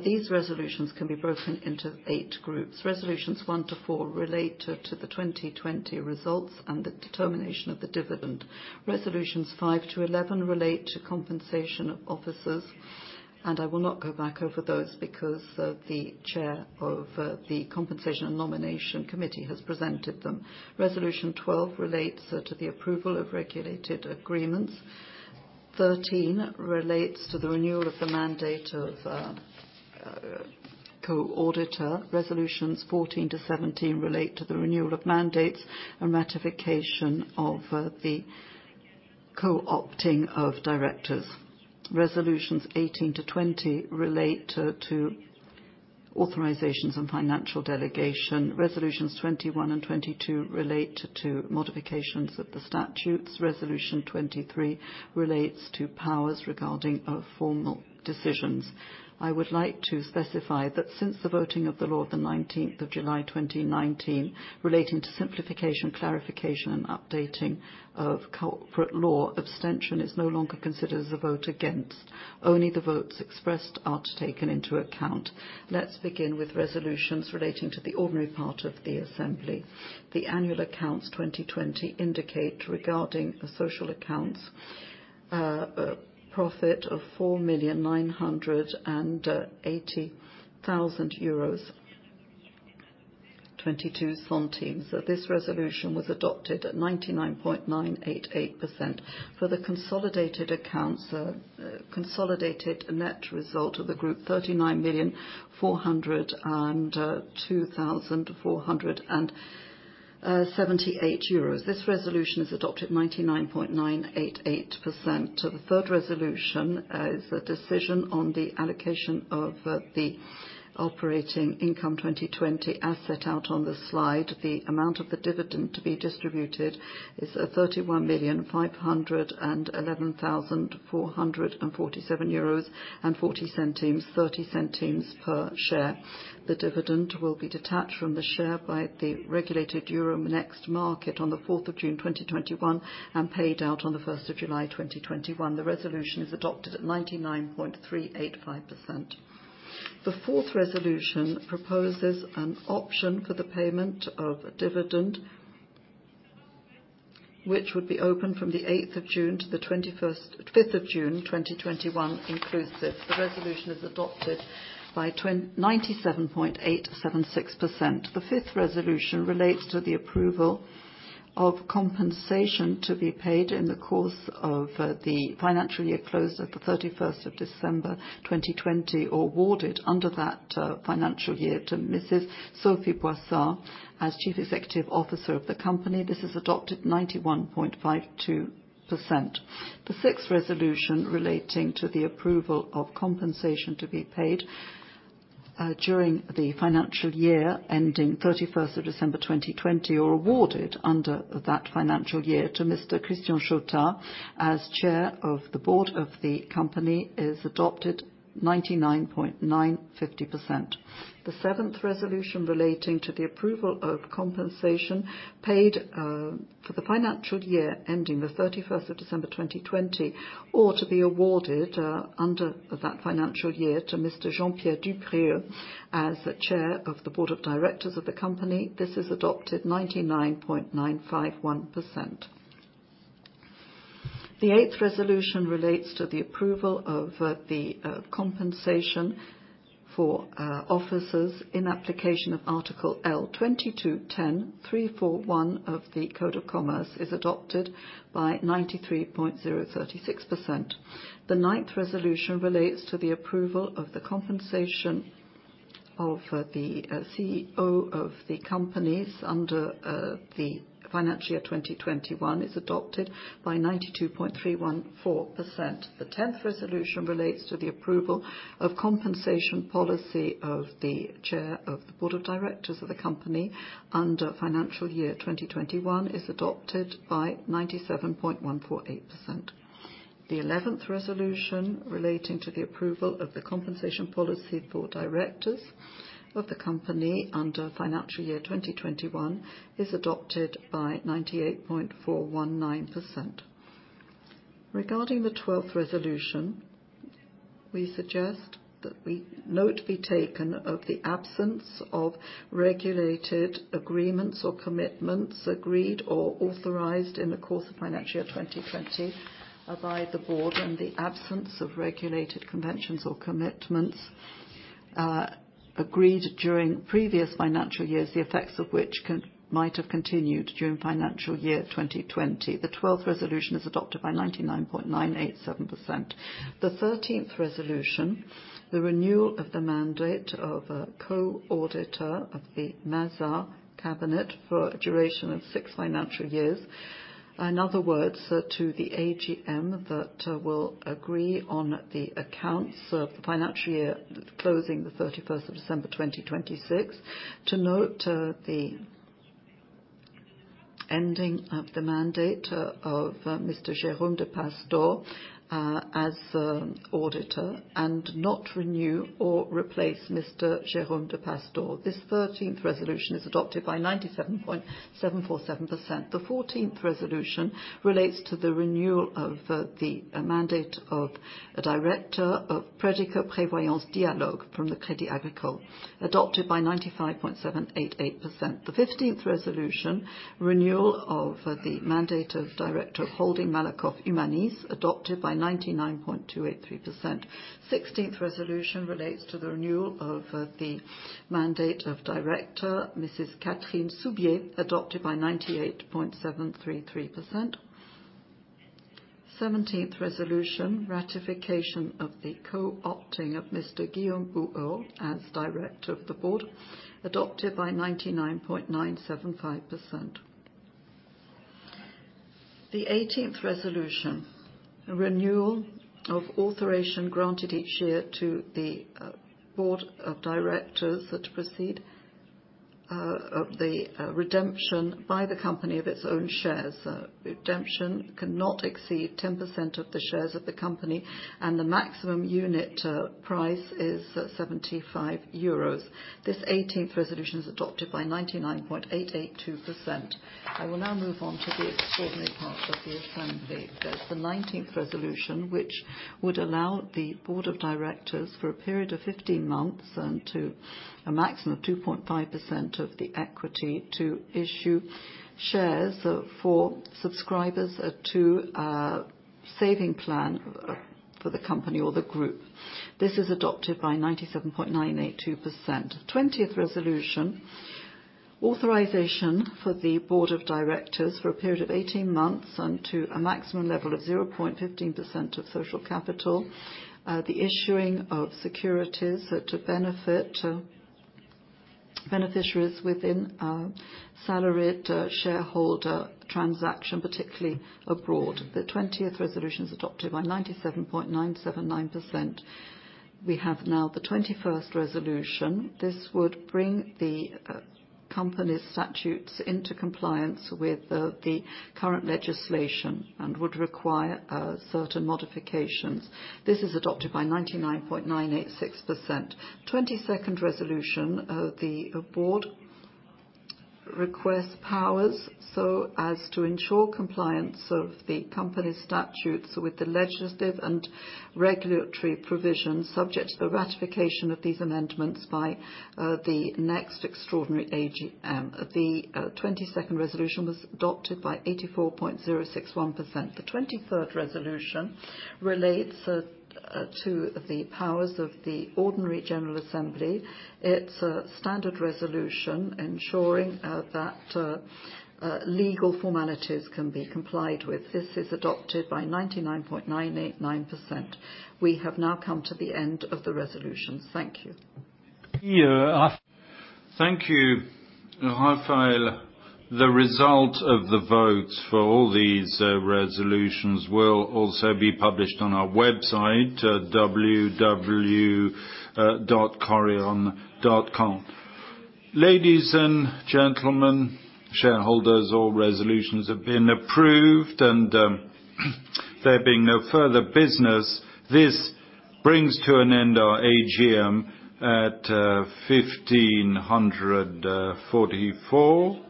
These resolutions can be broken into eight groups. Resolutions one to four relate to the 2020 results and the determination of the dividend. Resolutions 5-11 relate to compensation of officers. I will not go back over those because the Chair of the Compensation and Nomination Committee has presented them. Resolution 12 relates to the approval of regulated agreements. 13 relates to the renewal of the mandate of co-auditor. Resolutions 14-17 relate to the renewal of mandates and ratification of the co-opting of directors. Resolutions 18-20 relate to authorizations and financial delegation. Resolutions 21 and 22 relate to modifications of the statutes. Resolution 23 relates to powers regarding formal decisions. I would like to specify that since the voting of the law of the 19th of July 2019, relating to simplification, clarification, and updating of corporate law, abstention is no longer considered as a vote against. Only the votes expressed are taken into account. Let's begin with resolutions relating to the ordinary part of the assembly. The annual accounts 2020 indicate regarding the social accounts, a profit of 4,980,022 euros. This resolution was adopted at 99.988%. For the consolidated accounts, consolidated net result of the Group 39,402,478 euros. This resolution is adopted 99.988%. The third resolution is a decision on the allocation of the operating income 2020 as set out on the slide. The amount of the dividend to be distributed is EUR 31,511,447.40, 0.30 per share. The dividend will be detached from the share by the regulated Euronext market on the 4th of June 2021 and paid out on the 1st of July 2021. The resolution is adopted at 99.385%. The fourth resolution proposes an option for the payment of dividend, which would be open from the 5th of June 2021 inclusive. The resolution is adopted by 97.876%. The fifth resolution relates to the approval of compensation to be paid in the course of the financial year closed at the 31st of December 2020, awarded under that financial year to Mrs. Sophie Boissard as Chief Executive Officer of the company. This is adopted 91.52%. The sixth resolution relating to the approval of compensation to be paid during the financial year ending 31st of December 2020, or awarded under that financial year to Mr. Christian Chautard as Chairman of the Board of the company, is adopted 99.950%. The seventh resolution relating to the approval of compensation paid for the financial year ending the 31st of December 2020, or to be awarded under that financial year to Mr. Jean-Pierre Duprieu as the Chairman of the Board of Directors of the company. This is adopted 99.951%. The eighth resolution relates to the approval of the compensation for officers in application of Article L22-10-341 of the Code de commerce, is adopted by 93.036%. The ninth resolution relates to the approval of the compensation of the CEO of the companies under the financial year 2021, is adopted by 92.314%. The 10th resolution relates to the approval of compensation policy of the chair of the board of directors of the company under financial year 2021, is adopted by 97.148%. The 11th resolution relating to the approval of the compensation policy for directors of the company under financial year 2021, is adopted by 98.419%. Regarding the 12th resolution, we suggest that note be taken of the absence of regulated agreements or commitments agreed or authorized in the course of financial year 2020 by the board, and the absence of regulated conventions or commitments agreed during previous financial years, the effects of which might have continued during financial year 2020. The 12th resolution is adopted by 99.987%. The 13th resolution, the renewal of the mandate of co-auditor of the Mazars cabinet for a duration of six financial years. In other words, to the AGM that will agree on the accounts of the financial year closing the 31st of December 2026 to note the ending of the mandate of Mr. Jérôme de Pastors as auditor and not renew or replace Mr. Jérôme de Pastors. This 13th resolution is adopted by 97.747%. The 14th resolution relates to the renewal of the mandate of a director of Crédit Agricole Prévoyance et Dialogue from the Crédit Agricole, adopted by 95.788%. The 15th resolution, renewal of the mandate of director of Holding Malakoff Humanis, adopted by 99.283%. Sixteenth resolution relates to the renewal of the mandate of director Mrs. Catherine Soubie, adopted by 98.733%. Seventeenth resolution, ratification of the co-opting of Mr. Guillaume Bouhours as director of the board, adopted by 99.975%. The 18th resolution, renewal of authorization granted each year to the board of directors to proceed of the redemption by the company of its own shares. Redemption cannot exceed 10% of the shares of the company, and the maximum unit price is 75 euros. This 18th resolution is adopted by 99.882%. I will now move on to the extraordinary part of the assembly. The 19th resolution, which would allow the board of directors for a period of 15 months and to a maximum of 2.5% of the equity to issue shares for subscribers to a saving plan for the company or the group. This is adopted by 97.982%. 20th resolution, authorization for the board of directors for a period of 18 months and to a maximum level of 0.15% of social capital, the issuing of securities to benefit beneficiaries within a salaried shareholder transaction, particularly abroad. The 20th resolution is adopted by 97.979%. We have now the 21st resolution. This would bring the company statutes into compliance with the current legislation and would require certain modifications. This is adopted by 99.986%. 22nd resolution, the board requests powers so as to ensure compliance of the company statutes with the legislative and regulatory provisions subject to the ratification of these amendments by the next extraordinary AGM. The 22nd resolution was adopted by 84.061%. The 23rd resolution relates to the powers of the ordinary general assembly. It's a standard resolution ensuring that legal formalities can be complied with. This is adopted by 99.989%. We have now come to the end of the resolutions. Thank you. Yeah. Thank you, Raphaëlle. The result of the votes for all these resolutions will also be published on our website, www.korian.com. Ladies and gentlemen, shareholders, all resolutions have been approved and there being no further business, this brings to an end our AGM at 15:44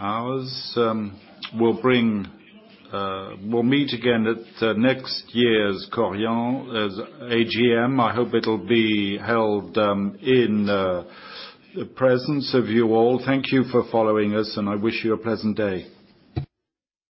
hours. We'll meet again at next year's Korian AGM. I hope it'll be held in the presence of you all. Thank you for following us, and I wish you a pleasant day.